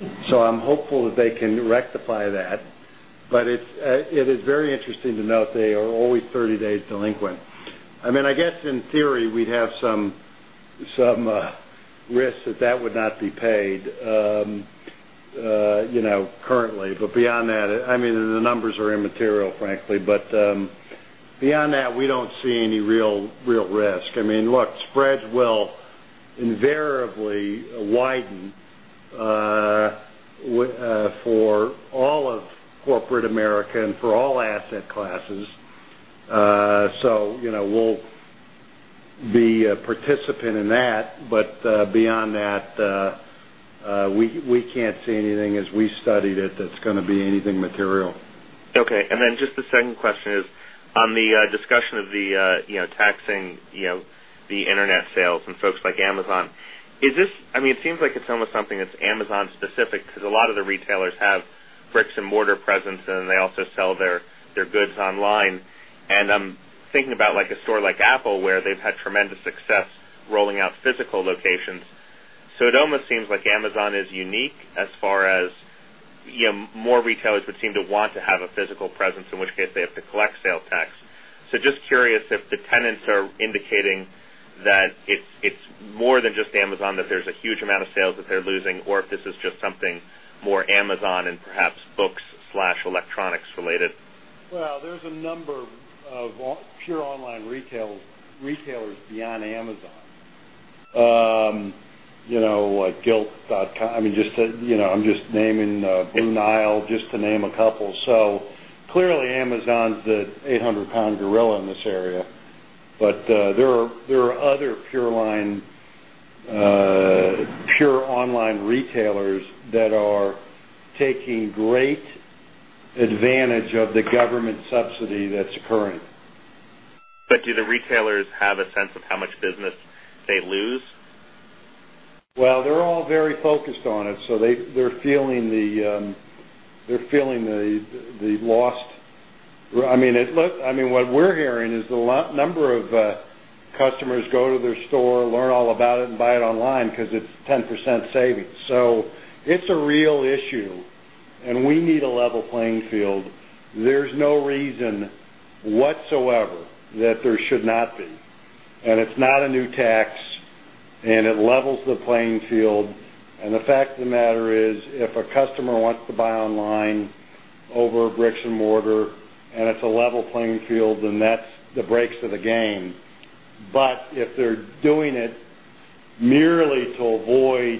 I'm hopeful that they can rectify that. It is very interesting to note they are always 30 days delinquent. I guess in theory, we'd have some risks that that would not be paid, you know, currently. Beyond that, the numbers are immaterial, frankly. Beyond that, we don't see any real risk. Look, spreads will invariably widen for all of corporate America and for all asset classes. We will be a participant in that. Beyond that, we can't see anything as we studied it that's going to be anything material.
Okay. Then just the second question is on the discussion of the, you know, taxing, you know, the internet sales and folks like Amazon. Is this, I mean, it seems like it's almost something that's Amazon-specific because a lot of the retailers have bricks-and-mortar presence, and they also sell their goods online. I'm thinking about like a store like Apple where they've had tremendous success rolling out physical locations. It almost seems like Amazon is unique as far as, you know, more retailers would seem to want to have a physical presence, in which case they have to collect sales tax. Just curious if the tenants are indicating that it's more than just Amazon, that there's a huge amount of sales that they're losing, or if this is just something more Amazon and perhaps books/electronics related.
There are a number of pure online retailers beyond Amazon, like gilt.com and Blue Nile, just to name a couple. Clearly, Amazon is an 800-pound gorilla in this area, but there are other pure online retailers that are taking great advantage of the government subsidy that's occurring.
Do the retailers have a sense of how much business they lose?
They are all very focused on it. They are feeling the loss. What we are hearing is a number of customers go to their store, learn all about it, and buy it online because it is 10% savings. It is a real issue. We need a level playing field. There is no reason whatsoever that there should not be. It is not a new tax. It levels the playing field. The fact of the matter is, if a customer wants to buy online over bricks and mortar, and it is a level playing field, then that is the breaks of the game. If they are doing it merely to avoid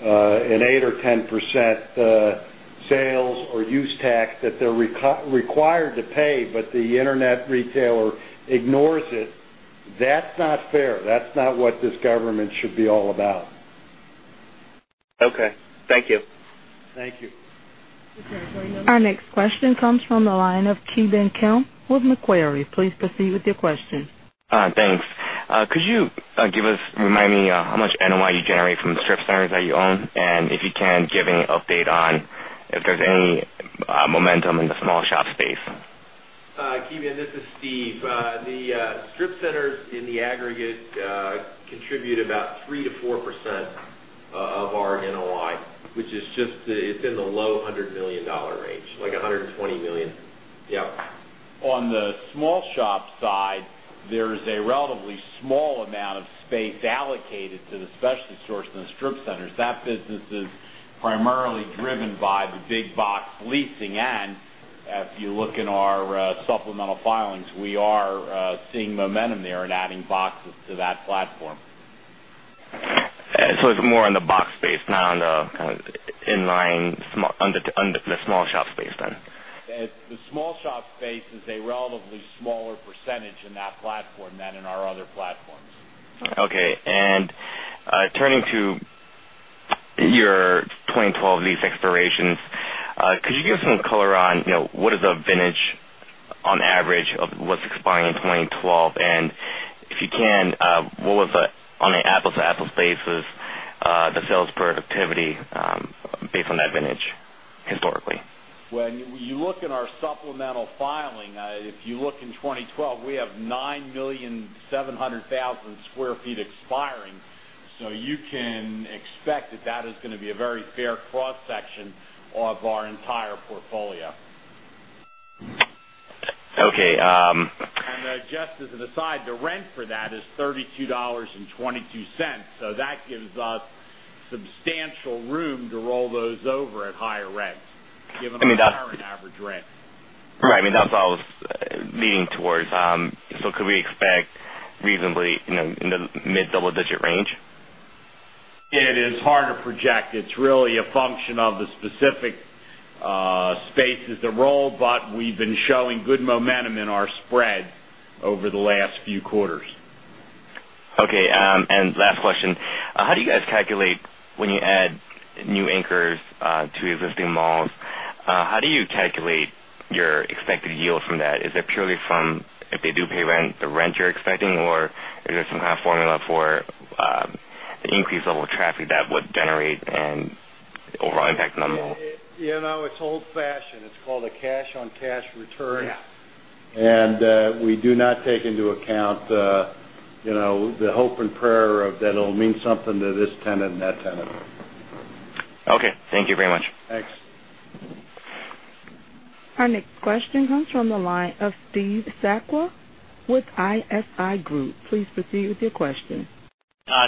an 8% or 10% sales or use tax that they are required to pay, but the internet retailer ignores it, that is not fair. That is not what this government should be all about.
Okay, thank you.
Thank you.
Okay. Going on. Our next question comes from the line of Ki Bin Kim with Macquarie. Please proceed with your question.
Hi, thanks. Could you give us, remind me, how much NOI you generate from strip centers that you own, and if you can give any update on if there's any momentum in the small shop space?
Ki Bin, this is Steve. The strip centers in the aggregate contribute about 3%-4% of our NOI, which is just, it's in the low hundred million dollar range, like $120 million. Yeah.
On the small shop side, there's a relatively small amount of space allocated to the specialty stores and the strip centers. That business is primarily driven by the big box leasing, and if you look in our supplemental filings, we are seeing momentum there in adding boxes to that platform.
It is more on the box space, not on the kind of inline small, under the small shop space then.
The small shop space is a relatively smaller percentage in that platform than in our other platforms.
Okay. Turning to your 2012 lease expirations, could you give us some color on what is the vintage on average of what's expiring in 2012? If you can, what was the, on an apples-to-apples basis, the sales productivity, based on that vintage historically?
When you look in our supplemental filing, if you look in 2012, we have 9.7 million square feet expiring. You can expect that that is going to be a very fair cross-section of our entire portfolio.
Okay.
Just as an aside, the rent for that is $32.22. That gives us substantial room to roll those over at higher rent, given our current average rent.
Right. I mean, that's what I was leaning towards. Could we expect reasonably, you know, in the mid-double-digit range?
It is hard to project. It's really a function of the specific spaces to roll, but we've been showing good momentum in our spreads over the last few quarters.
Okay. Last question. How do you guys calculate when you add new anchors to existing malls? How do you calculate your expected yield from that? Is it purely from if they do pay rent, the rent you're expecting, or is there some kind of formula for the increased level of traffic that would generate an overall impact on the mall?
You know, it's old fashioned. It's called a cash-on-cash return.
Yeah.
We do not take into account, you know, the hope and prayer that it'll mean something to this tenant and that tenant.
Okay, thank you very much.
Thanks.
Our next question comes from the line of Steve Sakwa with ISI Group. Please proceed with your question.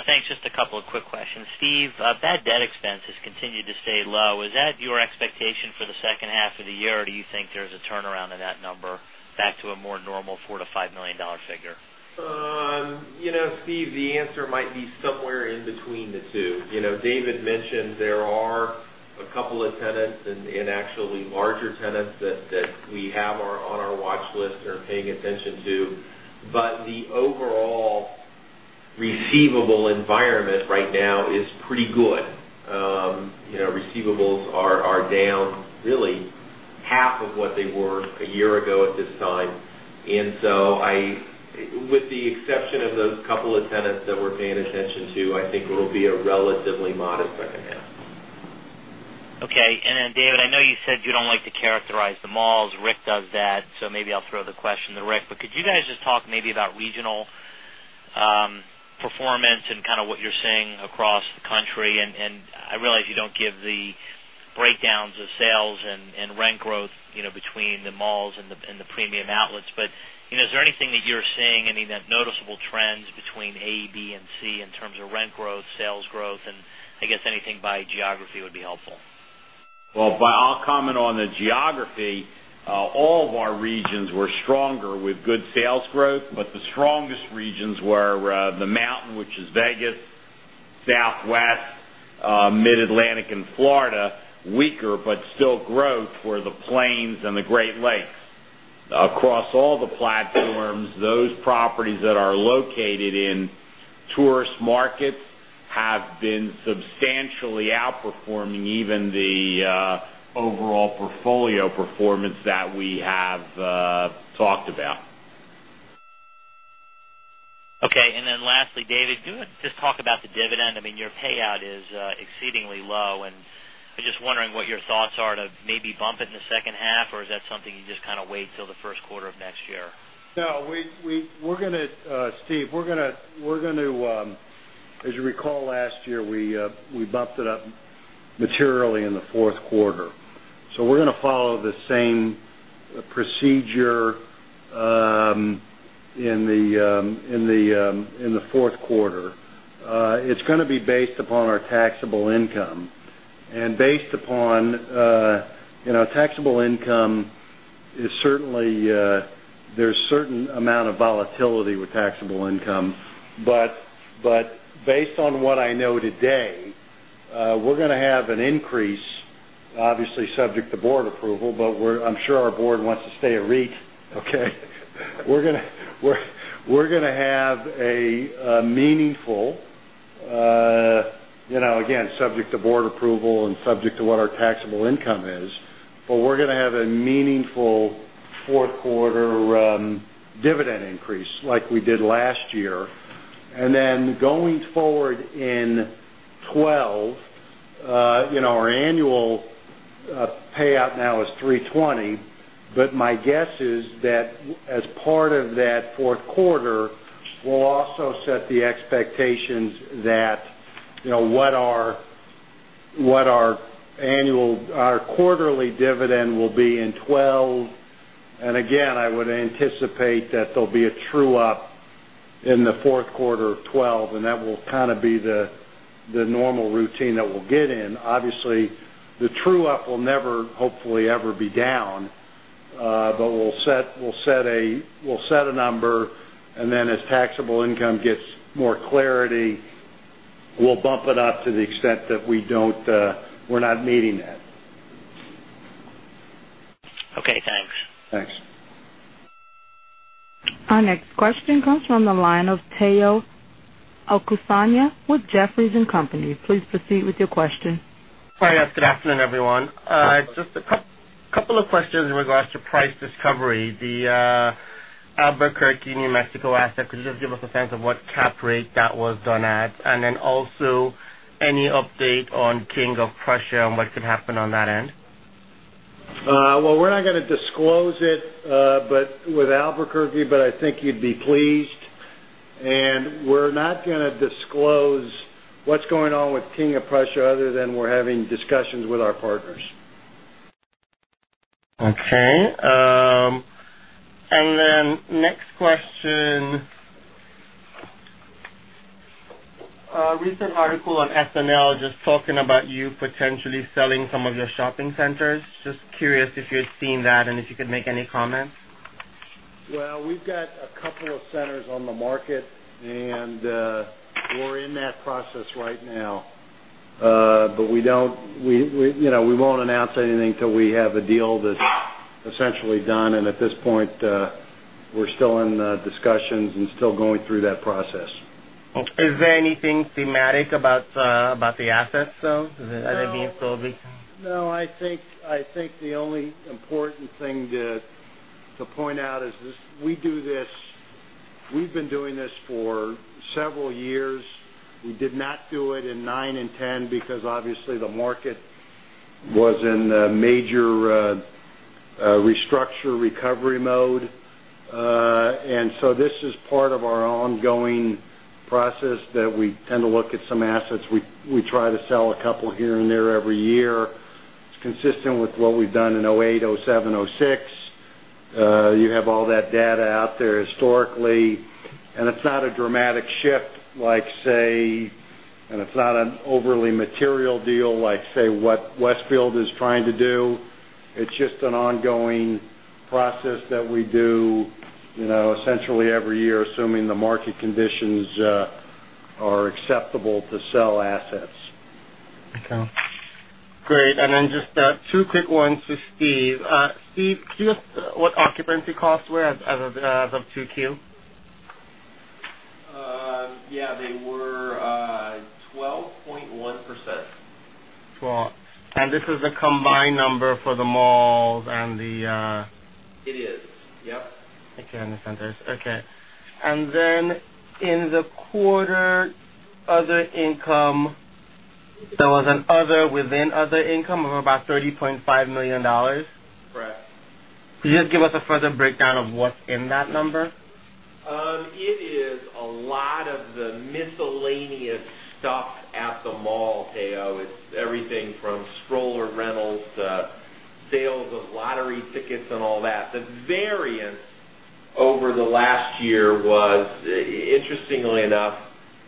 Thanks. Just a couple of quick questions. Steve, bad debt expense has continued to stay low. Is that your expectation for the second half of the year, or do you think there's a turnaround in that number back to a more normal $4-$5 million figure?
You know, Steve, the answer might be somewhere in between the two. David mentioned there are a couple of tenants, and actually larger tenants, that we have on our watch list and are paying attention to. The overall receivable environment right now is pretty good. Receivables are down really half of what they were a year ago at this time. With the exception of the couple of tenants that we're paying attention to, I think it'll be relatively modest right now.
Okay. David, I know you said you don't like to characterize the malls. Rick does that, so maybe I'll throw the question to Rick. Could you guys just talk maybe about regional performance and kind of what you're seeing across the country? I realize you don't give the breakdowns of sales and rent growth between the malls and the Premium Outlets, but is there anything that you're seeing, any noticeable trends between A, B, and C in terms of rent growth, sales growth? Anything by geography would be helpful.
I'll comment on the geography. All of our regions were stronger with good sales growth, but the strongest regions were the Mountain, which is Vegas, Southwest, Mid-Atlantic, and Florida. Weaker but still growth were the Plains and the Great Lakes. Across all the platforms, those properties that are located in tourist markets have been substantially outperforming even the overall portfolio performance that we have talked about.
Okay. Lastly, David, do you want to just talk about the dividend? I mean, your payout is exceedingly low. I'm just wondering what your thoughts are to maybe bump it in the second half, or is that something you just kind of wait till the first quarter of next year?
No. Steve, as you recall, last year we bumped it up materially in the fourth quarter. We're going to follow the same procedure in the fourth quarter. It's going to be based upon our taxable income. Taxable income is certainly, there's a certain amount of volatility with taxable income. Based on what I know today, we're going to have an increase, obviously subject to board approval. I'm sure our board wants to stay a REIT, okay? We're going to have a meaningful, again, subject to board approval and subject to what our taxable income is, but we're going to have a meaningful fourth quarter dividend increase like we did last year. Going forward in 2012, our annual payout now is $3.20. My guess is that as part of that fourth quarter, we'll also set the expectations that, you know, what our annual, our quarterly dividend will be in 2012. I would anticipate that there'll be a true up in the fourth quarter of 2012, and that will kind of be the normal routine that we'll get in. Obviously, the true up will never, hopefully, ever be down. We'll set a number, and then as taxable income gets more clarity, we'll bump it up to the extent that we're not meeting that.
Okay. Thanks.
Thanks.
Our next question comes from the line of Omotayo Okusanya with Jefferies & Company. Please proceed with your question.
Hi. Good afternoon, everyone. It's just a couple of questions in regards to price discovery. The Albuquerque, New Mexico asset, could you just give us a sense of what cap rate that was done at? Also, any update on King of Prussia and what could happen on that end?
We're not going to disclose it with Albuquerque, but I think you'd be pleased. We're not going to disclose what's going on with King of Prussia other than we're having discussions with our partners.
Okay, next question. A recent article on SNL just talking about you potentially selling some of your shopping centers. Just curious if you had seen that and if you could make any comment?
We've got a couple of centers on the market, and we're in that process right now. We won't announce anything till we have a deal that's essentially done. At this point, we're still in the discussions and still going through that process.
Okay. Is there anything thematic about the assets, though? Are they being sold?
No. I think the only important thing to point out is this. We do this, we've been doing this for several years. We did not do it in 2009 and 2010 because, obviously, the market was in the major restructure recovery mode. This is part of our ongoing process that we tend to look at some assets. We try to sell a couple here and there every year. It's consistent with what we've done in 2008, 2007, 2006. You have all that data out there historically. It's not a dramatic shift, and it's not an overly material deal like what Westfield is trying to do. It's just an ongoing process that we do essentially every year, assuming the market conditions are acceptable to sell assets.
Okay. Great. Two quick ones for Steve. Steve, could you just say what occupancy costs were as of 2Q?
Yeah, they were 12.1%.
12. This is the combined number for the malls and the.
It is, yes.
Okay. Understand. Okay. In the quarter, other income, there was an other within other income of about $30.5 million.
Correct.
Could you just give us a further breakdown of what's in that number?
It is a lot of the miscellaneous stuff at the mall, too. It's everything from stroller rentals to sales of lottery tickets and all that. The variance over the last year was, interestingly enough,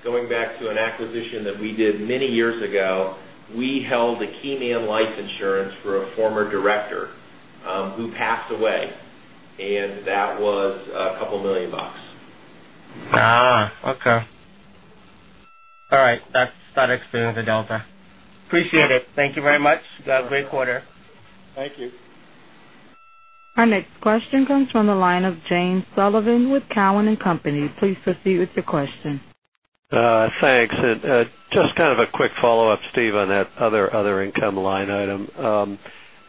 going back to an acquisition that we did many years ago, we held a key man life insurance for a former director, who passed away. That was a couple million bucks.
Okay. All right. That explains the delta. Appreciate it. Thank you very much. You got a great quarter.
Thank you.
Our next question comes from the line of James Sullivan with Cowen & Company. Please proceed with your question.
Thanks. Just kind of a quick follow-up, Steve, on that other income line item.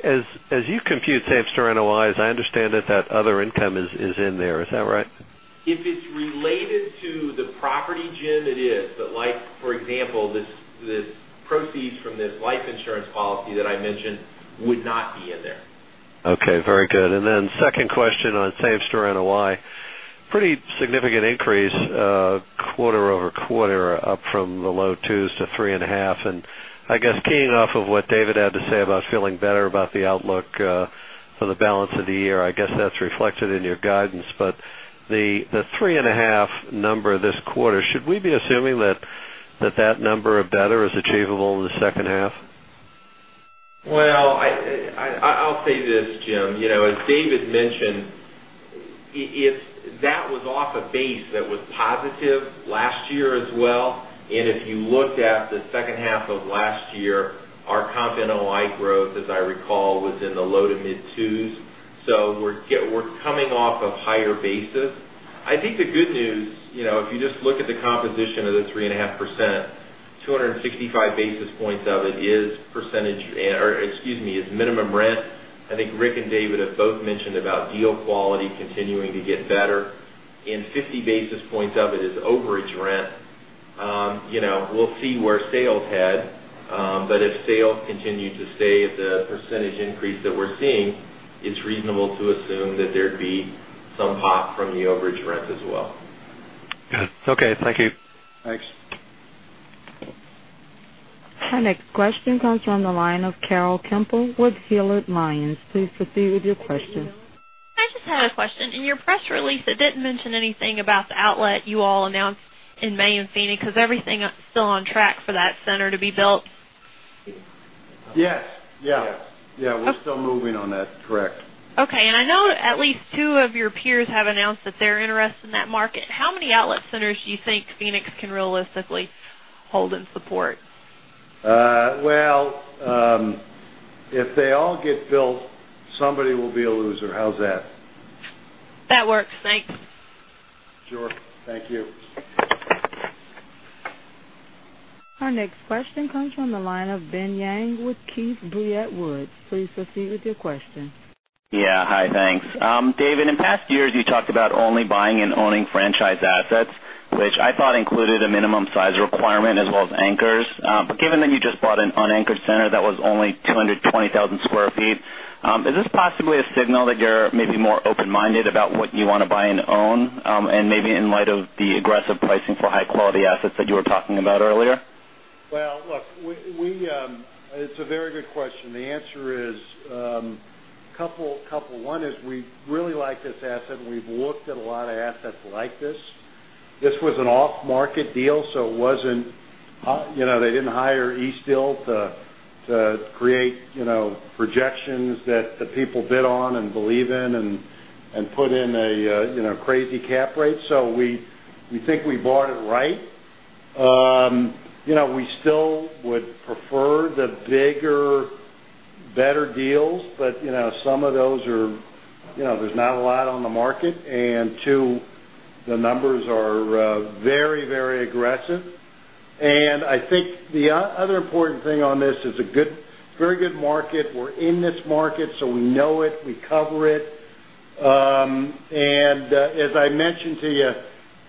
As you compute same store NOIs, I understand that other income is in there. Is that right?
If it's related to the property, it is. For example, this proceeds from this life insurance policy that I mentioned would not be in there.
Okay. Very good. Second question on same store NOI. Pretty significant increase, quarter over quarter, up from the low twos to 3.5%. I guess keying off of what David had to say about feeling better about the outlook for the balance of the year, I guess that's reflected in your guidance. The 3.5% number this quarter, should we be assuming that that number or better is achievable in the second half?
I'll say this, James, as David mentioned, that was off a base that was positive last year as well. If you look at the second half of last year, our comp NOI growth, as I recall, was in the low to mid-2s. We're coming off of higher basis. I think the good news, if you just look at the composition of the 3.5%, 265 basis points of it is minimum rent. I think Rick and David have both mentioned about deal quality continuing to get better, and 50 basis points of it is overage rent. You know, we'll see where sales head, but if sales continue to stay at the percentage increase that we're seeing, it's reasonable to assume that there'd be some pop from the overage rents as well.
Yeah, okay. Thank you.
Thanks.
Our next question comes from the line of Carol Kemple with Hillard Lyons. Please proceed with your question.
I just had a question. In your press release, it didn't mention anything about the outlet you all announced in May in Phoenix. Is everything still on track for that center to be built?
Yes, we're still moving on that. Correct.
Okay. I know at least two of your peers have announced that they're interested in that market. How many outlet centers do you think Phoenix can realistically hold and support?
If they all get built, somebody will be a loser. How's that?
That works. Thanks.
Sure. Thank you.
Our next question comes from the line of Ben Yang with Keefe, Bruyette & Woods. Please proceed with your question.
Yeah. Hi. Thanks. David, in past years, you talked about only buying and owning franchise assets, which I thought included a minimum size requirement as well as anchors. Given that you just bought an unanchored center that was only 220,000 square feet, is this possibly a signal that you're maybe more open-minded about what you want to buy and own, maybe in light of the aggressive pricing for high-quality assets that you were talking about earlier?
It's a very good question. The answer is, a couple. One is we really like this asset, and we've looked at a lot of assets like this. This was an off-market deal, so it wasn't, you know, they didn't hire Eastfield to create, you know, projections that the people bid on and believe in and put in a, you know, crazy cap rate. We think we bought it right. You know, we still would prefer the bigger, better deals, but, you know, some of those are, you know, there's not a lot on the market. The numbers are very, very aggressive. I think the other important thing on this is it's a very good market. We're in this market, so we know it. We cover it. As I mentioned to you,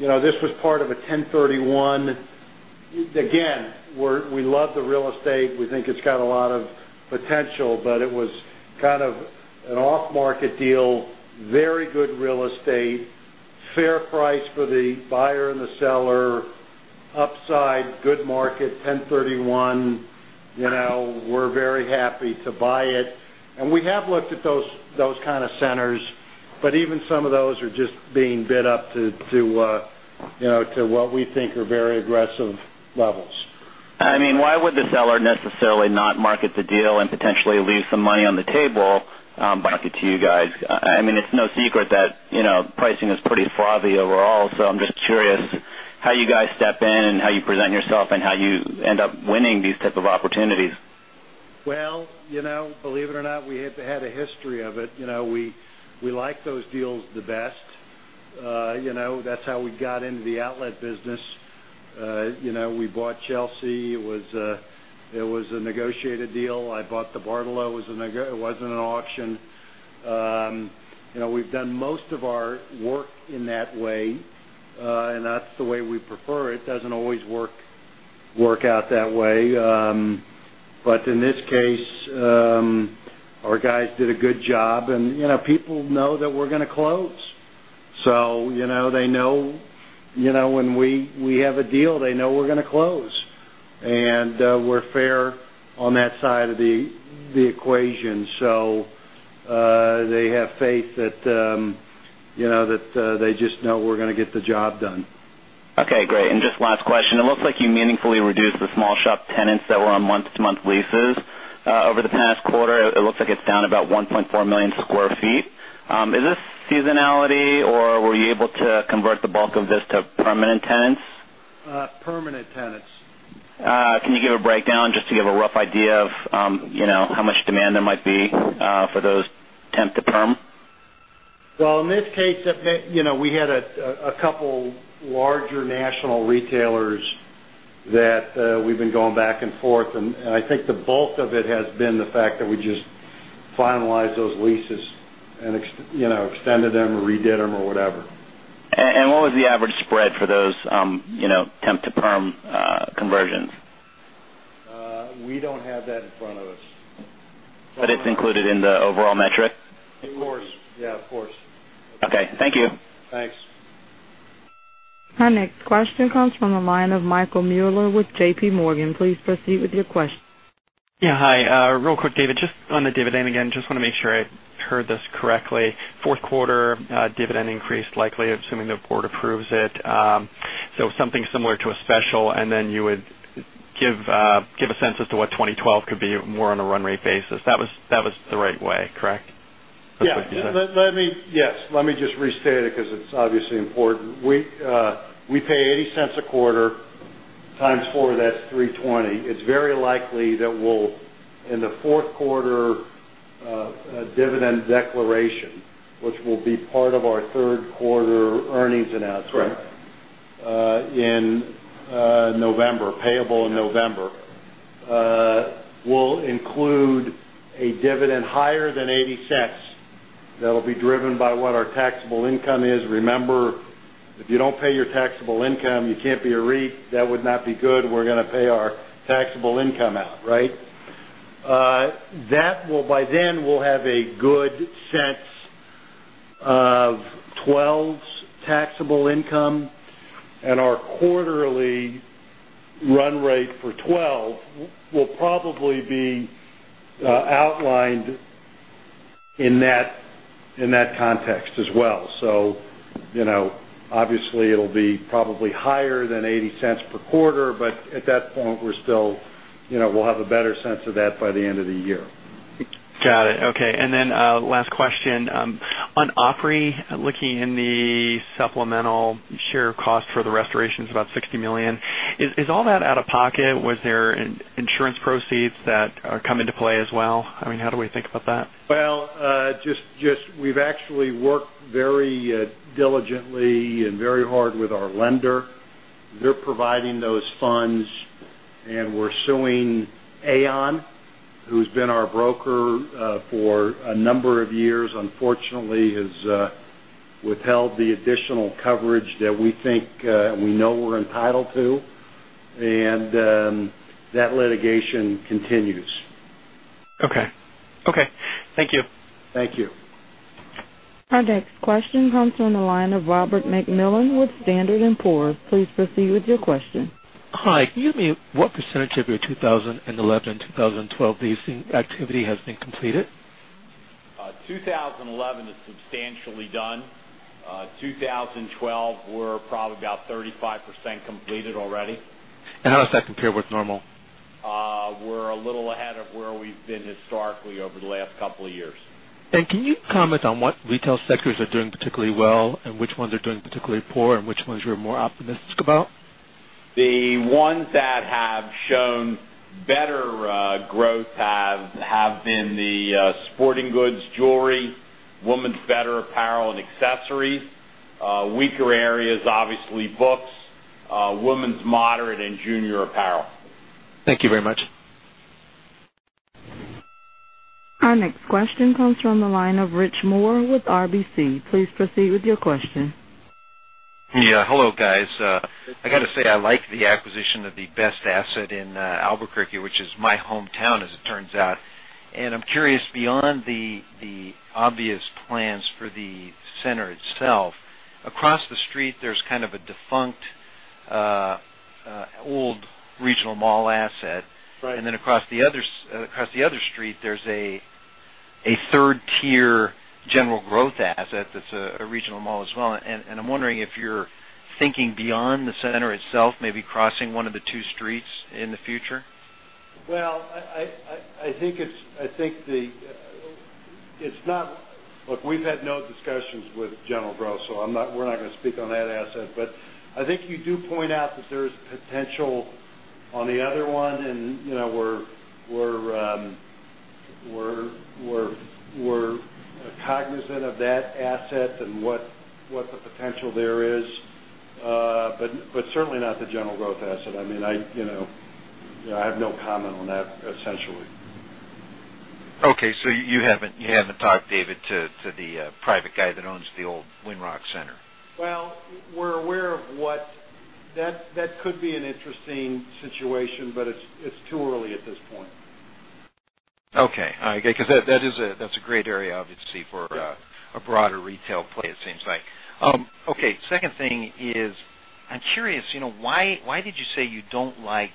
you know, this was part of a 1031. Again, we love the real estate. We think it's got a lot of potential, but it was kind of an off-market deal. Very good real estate. Fair price for the buyer and the seller. Upside, good market, 1031. You know, we're very happy to buy it. We have looked at those kind of centers, but even some of those are just being bid up to what we think are very aggressive levels.
I mean, why would the seller necessarily not market the deal and potentially leave some money on the table, but market to you guys? I mean, it's no secret that, you know, pricing is pretty sloppy overall. I'm just curious how you guys step in and how you present yourself and how you end up winning these types of opportunities.
Believe it or not, we have had a history of it. We like those deals the best. That's how we got into the outlet business. We bought Chelsea. It was a negotiated deal. I bought the Bartolo. It wasn't an auction. We've done most of our work in that way, and that's the way we prefer it. It doesn't always work out that way, but in this case, our guys did a good job. People know that we're going to close. They know when we have a deal, they know we're going to close, and we're fair on that side of the equation. They have faith that, you know, they just know we're going to get the job done.
Okay. Great. Just last question. It looks like you meaningfully reduced the small shop tenants that were on month-to-month leases over the past quarter. It looks like it's down about $1.4 million square feet. Is this seasonality, or were you able to convert the bulk of this to permanent tenants?
Permanent tenants.
Can you give a breakdown just to give a rough idea of how much demand there might be for those temp to perm?
I've had a couple larger national retailers that we've been going back and forth, and I think the bulk of it has been the fact that we just finalized those leases and extended them or redid them or whatever.
What was the average spread for those temp to perm conversions?
We don't have that in front of us.
It's included in the overall metric?
Of course. Of course.
Okay, thank you.
Thanks.
Our next question comes from the line of Michael Mueller with JPMorgan. Please proceed with your question.
Yeah. Hi, real quick, David. Just on the dividend again, just want to make sure I heard this correctly. Fourth quarter, dividend increase likely, assuming the board approves it, something similar to a special. Then you would give a sense as to what 2012 could be more on a run rate basis. That was the right way, correct? That's what you said?
Let me just restate it because it's obviously important. We pay $0.80 a quarter. Times four, that's $3.20. It's very likely that we'll, in the fourth quarter, dividend declaration, which will be part of our third quarter earnings announcement.
Right.
In November, payable in November, we'll include a dividend higher than $0.80 that'll be driven by what our taxable income is. Remember, if you don't pay your taxable income, you can't be a REIT. That would not be good. We're going to pay our taxable income out, right? By then, we'll have a good sense of 2012's taxable income, and our quarterly run rate for 2012 will probably be outlined in that context as well. Obviously, it'll be probably higher than $0.80 per quarter, but at that point, we'll have a better sense of that by the end of the year.
Got it. Okay. Last question, on Opry, looking in the supplemental share cost for the restorations, about $60 million. Is all that out of pocket? Was there insurance proceeds that come into play as well? I mean, how do we think about that?
We've actually worked very diligently and very hard with our lender. They're providing those funds, and we're suing Aon, who's been our broker for a number of years. Unfortunately, has withheld the additional coverage that we think, we know we're entitled to. That litigation continues.
Okay. Thank you.
Thank you.
Our next question comes from the line of Robert McMillan with Standard & Poor's. Please proceed with your question.
Hi. Can you give me what percentage of your 2011 and 2012 leasing activity has been completed?
2011 is substantially done. 2012, we're probably about 35% completed already.
How does that compare with normal?
We're a little ahead of where we've been historically over the last couple of years.
Can you comment on what retail sectors are doing particularly well, which ones are doing particularly poor, and which ones you're more optimistic about?
The ones that have shown better growth have been the sporting goods, jewelry, women's better apparel, and accessories. Weaker areas, obviously, books, women's moderate and junior apparel.
Thank you very much.
Our next question comes from the line of Rich Moore with RBC. Please proceed with your question.
Yeah. Hello, guys. I got to say, I liked the acquisition of the best asset in Albuquerque, which is my hometown, as it turns out. I'm curious, beyond the obvious plans for the center itself, across the street, there's kind of a defunct, old regional mall asset. Right. Across the other street, there's a third-tier General Growth asset that's a regional mall as well. I'm wondering if you're thinking beyond the center itself, maybe crossing one of the two streets in the future?
I think it's, I think the, it's not, look, we've had no discussions with General Growth, so I'm not, we're not going to speak on that asset. I think you do point out that there's potential on the other one. You know, we're cognizant of that asset and what the potential there is, but certainly not the General Growth asset. I mean, I have no comment on that, essentially.
Okay. You haven't talked, David, to the private guy that owns the old Winrock Center?
We're aware of what that could be an interesting situation, but it's too early at this point.
Okay. That is a great area, obviously, for a broader retail play, it seems like. Second thing is, I'm curious, why did you say you don't like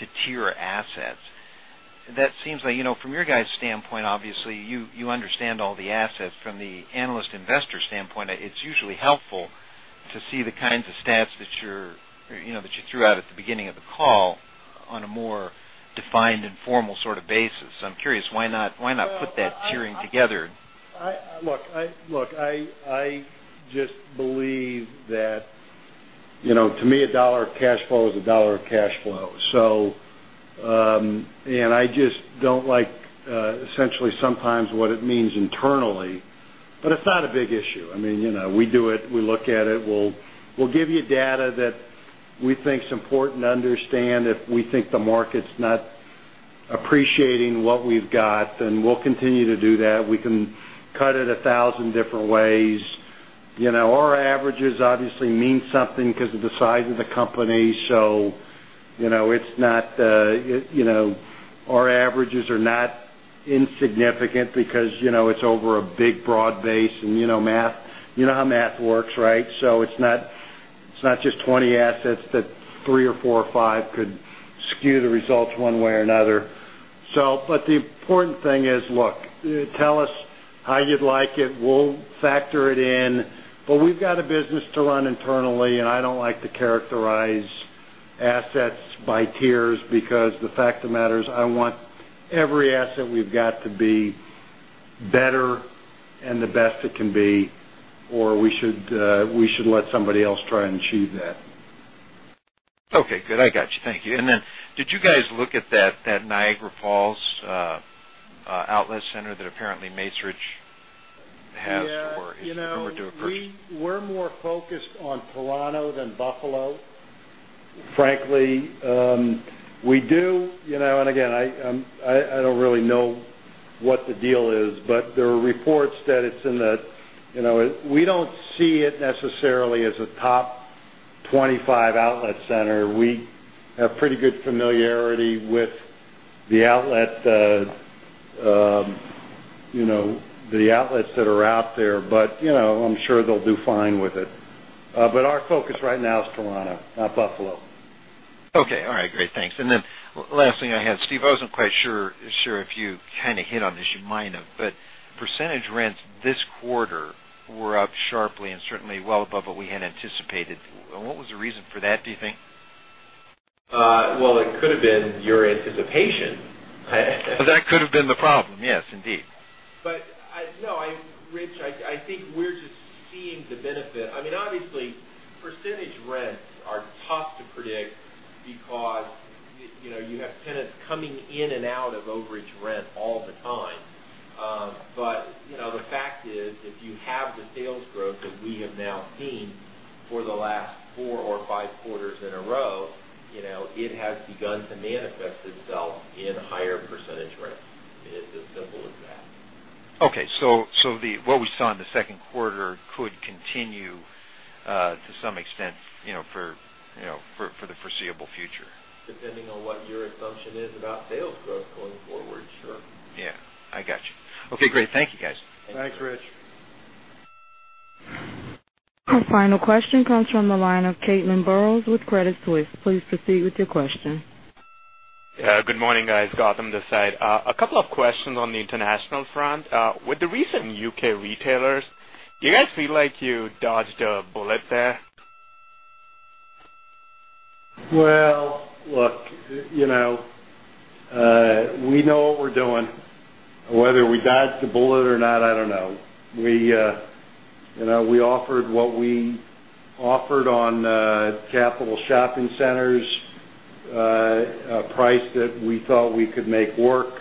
to tier assets? That seems like, from your guys' standpoint, obviously, you understand all the assets. From the analyst investor standpoint, it's usually helpful to see the kinds of stats that you threw out at the beginning of the call on a more defined and formal sort of basis. I'm curious, why not put that tiering together?
Look, I just believe that, you know, to me, a dollar of cash flow is a dollar of cash flow. I just don't like, essentially, sometimes what it means internally. It's not a big issue. I mean, you know, we do it. We look at it. We'll give you data that we think is important to understand. If we think the market's not appreciating what we've got, then we'll continue to do that. We can cut it a thousand different ways. Our averages obviously mean something because of the size of the company. Our averages are not insignificant because it's over a big broad base. You know how math works, right? It's not just twenty assets that three or four or five could skew the results one way or another. The important thing is, tell us how you'd like it. We'll factor it in. We've got a business to run internally, and I don't like to characterize assets by tiers because the fact of the matter is I want every asset we've got to be better and the best it can be, or we should let somebody else try and achieve that.
Okay. Good. I got you. Thank you. Did you guys look at that Niagara Falls outlet center that apparently Macerich has for its number two person?
You know, we're more focused on Poblano than Buffalo, frankly. We do, you know, and again, I don't really know what the deal is, but there are reports that it's in the, you know, we don't see it necessarily as a top 25 outlet center. We have pretty good familiarity with the outlets, you know, the outlets that are out there. You know, I'm sure they'll do fine with it. Our focus right now is Poblano, not Buffalo.
Okay. All right. Great. Thanks. The last thing I had, Steve, I wasn't quite sure if you kind of hit on this. You might have. Percentage rents this quarter were up sharply and certainly well above what we had anticipated. What was the reason for that, do you think?
It could have been your anticipation.
That could have been the problem. Yes, indeed.
I think we're just seeing the benefit. Obviously, percentage rents are tough to predict because, you know, you have tenants coming in and out of overage rent all the time. You know, the fact is, if you have the sales growth that we have now seen for the last four or five quarters in a row, it has begun to manifest itself in higher percentage rents. It's as simple as that.
Okay. What we saw in the second quarter could continue, to some extent, for the foreseeable future.
Depending on what your assumption is about sales growth going forward. Sure.
Yeah, I got you. Okay, great. Thank you, guys.
Thanks, Rich.
Our final question comes from the line of Caitlin Burrows with Citi. Please proceed with your question.
Yeah. Good morning, guys. Gautam Deasai. A couple of questions on the international front. With the recent U.K. retailers, do you guys feel like you dodged a bullet there?
Look, you know, we know what we're doing. Whether we dodged a bullet or not, I don't know. We offered what we offered on Capital Shopping Centers, a price that we thought we could make work,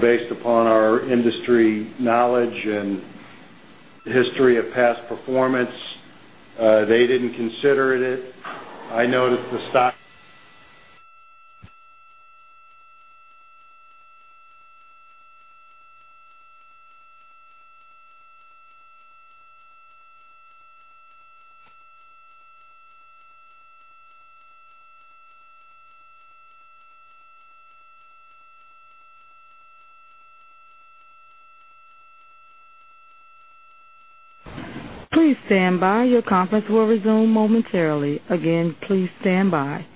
based upon our industry knowledge and history of past performance. They didn't consider it. I noticed the stock.
Please stand by. Your conference will resume momentarily. Again, please stand by.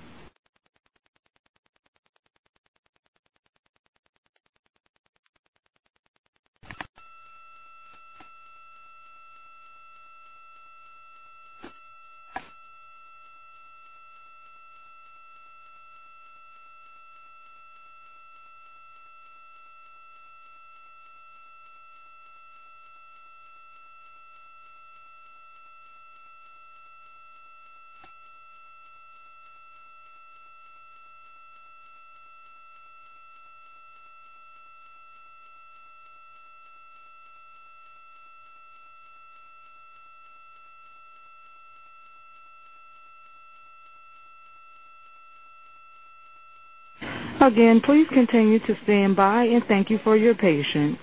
Please continue to stand by, and thank you for your patience.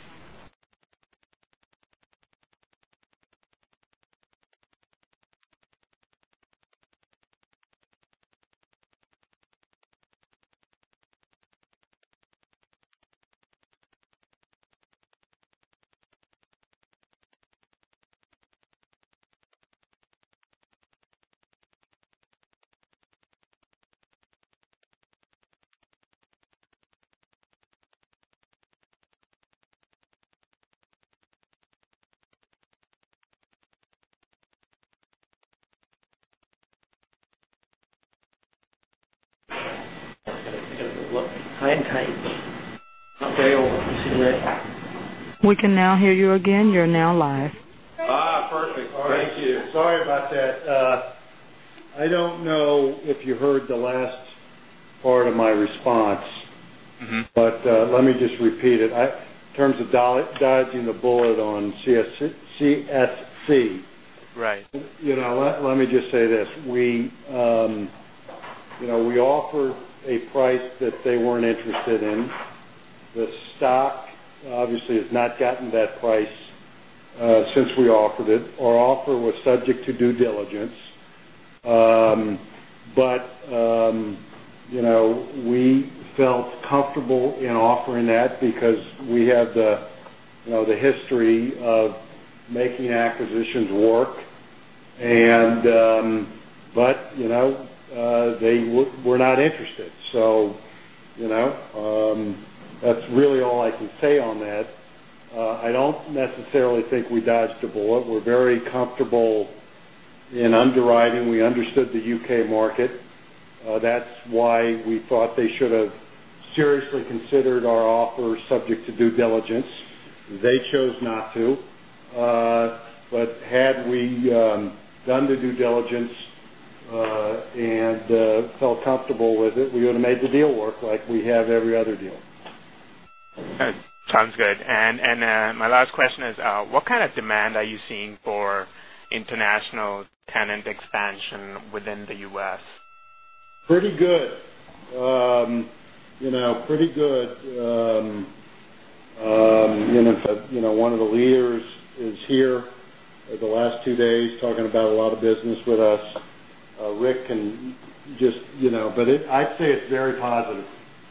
Hi guys. Can you see me right?
We can now hear you again. You're now live.
Perfect. Oh, thank you. Sorry about that. I don't know if you heard the last part of my response. Let me just repeat it. I, in terms of dodging the bullet on CSC. Right. Let me just say this. We offered a price that they weren't interested in. The stock, obviously, has not gotten that price since we offered it. Our offer was subject to due diligence. We felt comfortable in offering that because we have the history of making acquisitions work. They were not interested. That's really all I can say on that. I don't necessarily think we dodged a bullet. We're very comfortable in underwriting. We understood the U.K. market. That's why we thought they should have seriously considered our offer subject to due diligence. They chose not to. Had we done the due diligence and felt comfortable with it, we would have made the deal work like we have every other deal.
Okay. Sounds good. My last question is, what kind of demand are you seeing for international tenant expansion within the U.S.?
Pretty good. You know, pretty good. If one of the leaders is here, the last two days talking about a lot of business with us, Rick can just,
you know, but I'd say it's very positive.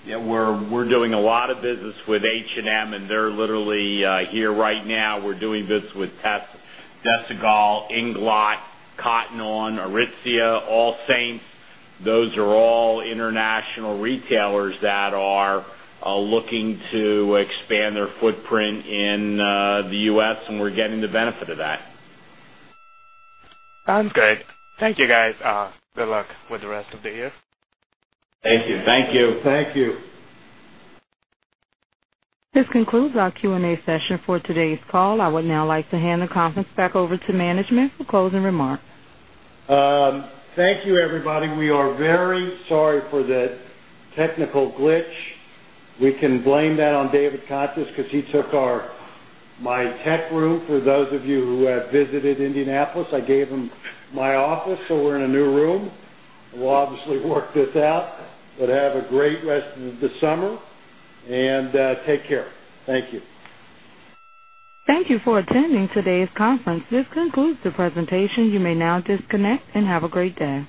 Yeah. We're doing a lot of business with H&M, and they're literally here right now. We're doing this with Desigual, Inglot, Cotton On, Aritzia, AllSaints. Those are all international retailers that are looking to expand their footprint in the U.S., and we're getting the benefit of that.
Sounds good. Thank you, guys. Good luck with the rest of the year. Thank you.
Thank you.
Thank you.
This concludes our Q&A session for today's call. I would now like to hand the conference back over to management for closing remarks.
Thank you, everybody. We are very sorry for the technical glitch. We can blame that on David Contis because he took our, my tech room, for those of you who have visited Indianapolis. I gave him my office, so we're in a new room. We'll obviously work this out. Have a great rest of the summer and take care. Thank you.
Thank you for attending today's conference. This concludes the presentation. You may now disconnect and have a great day.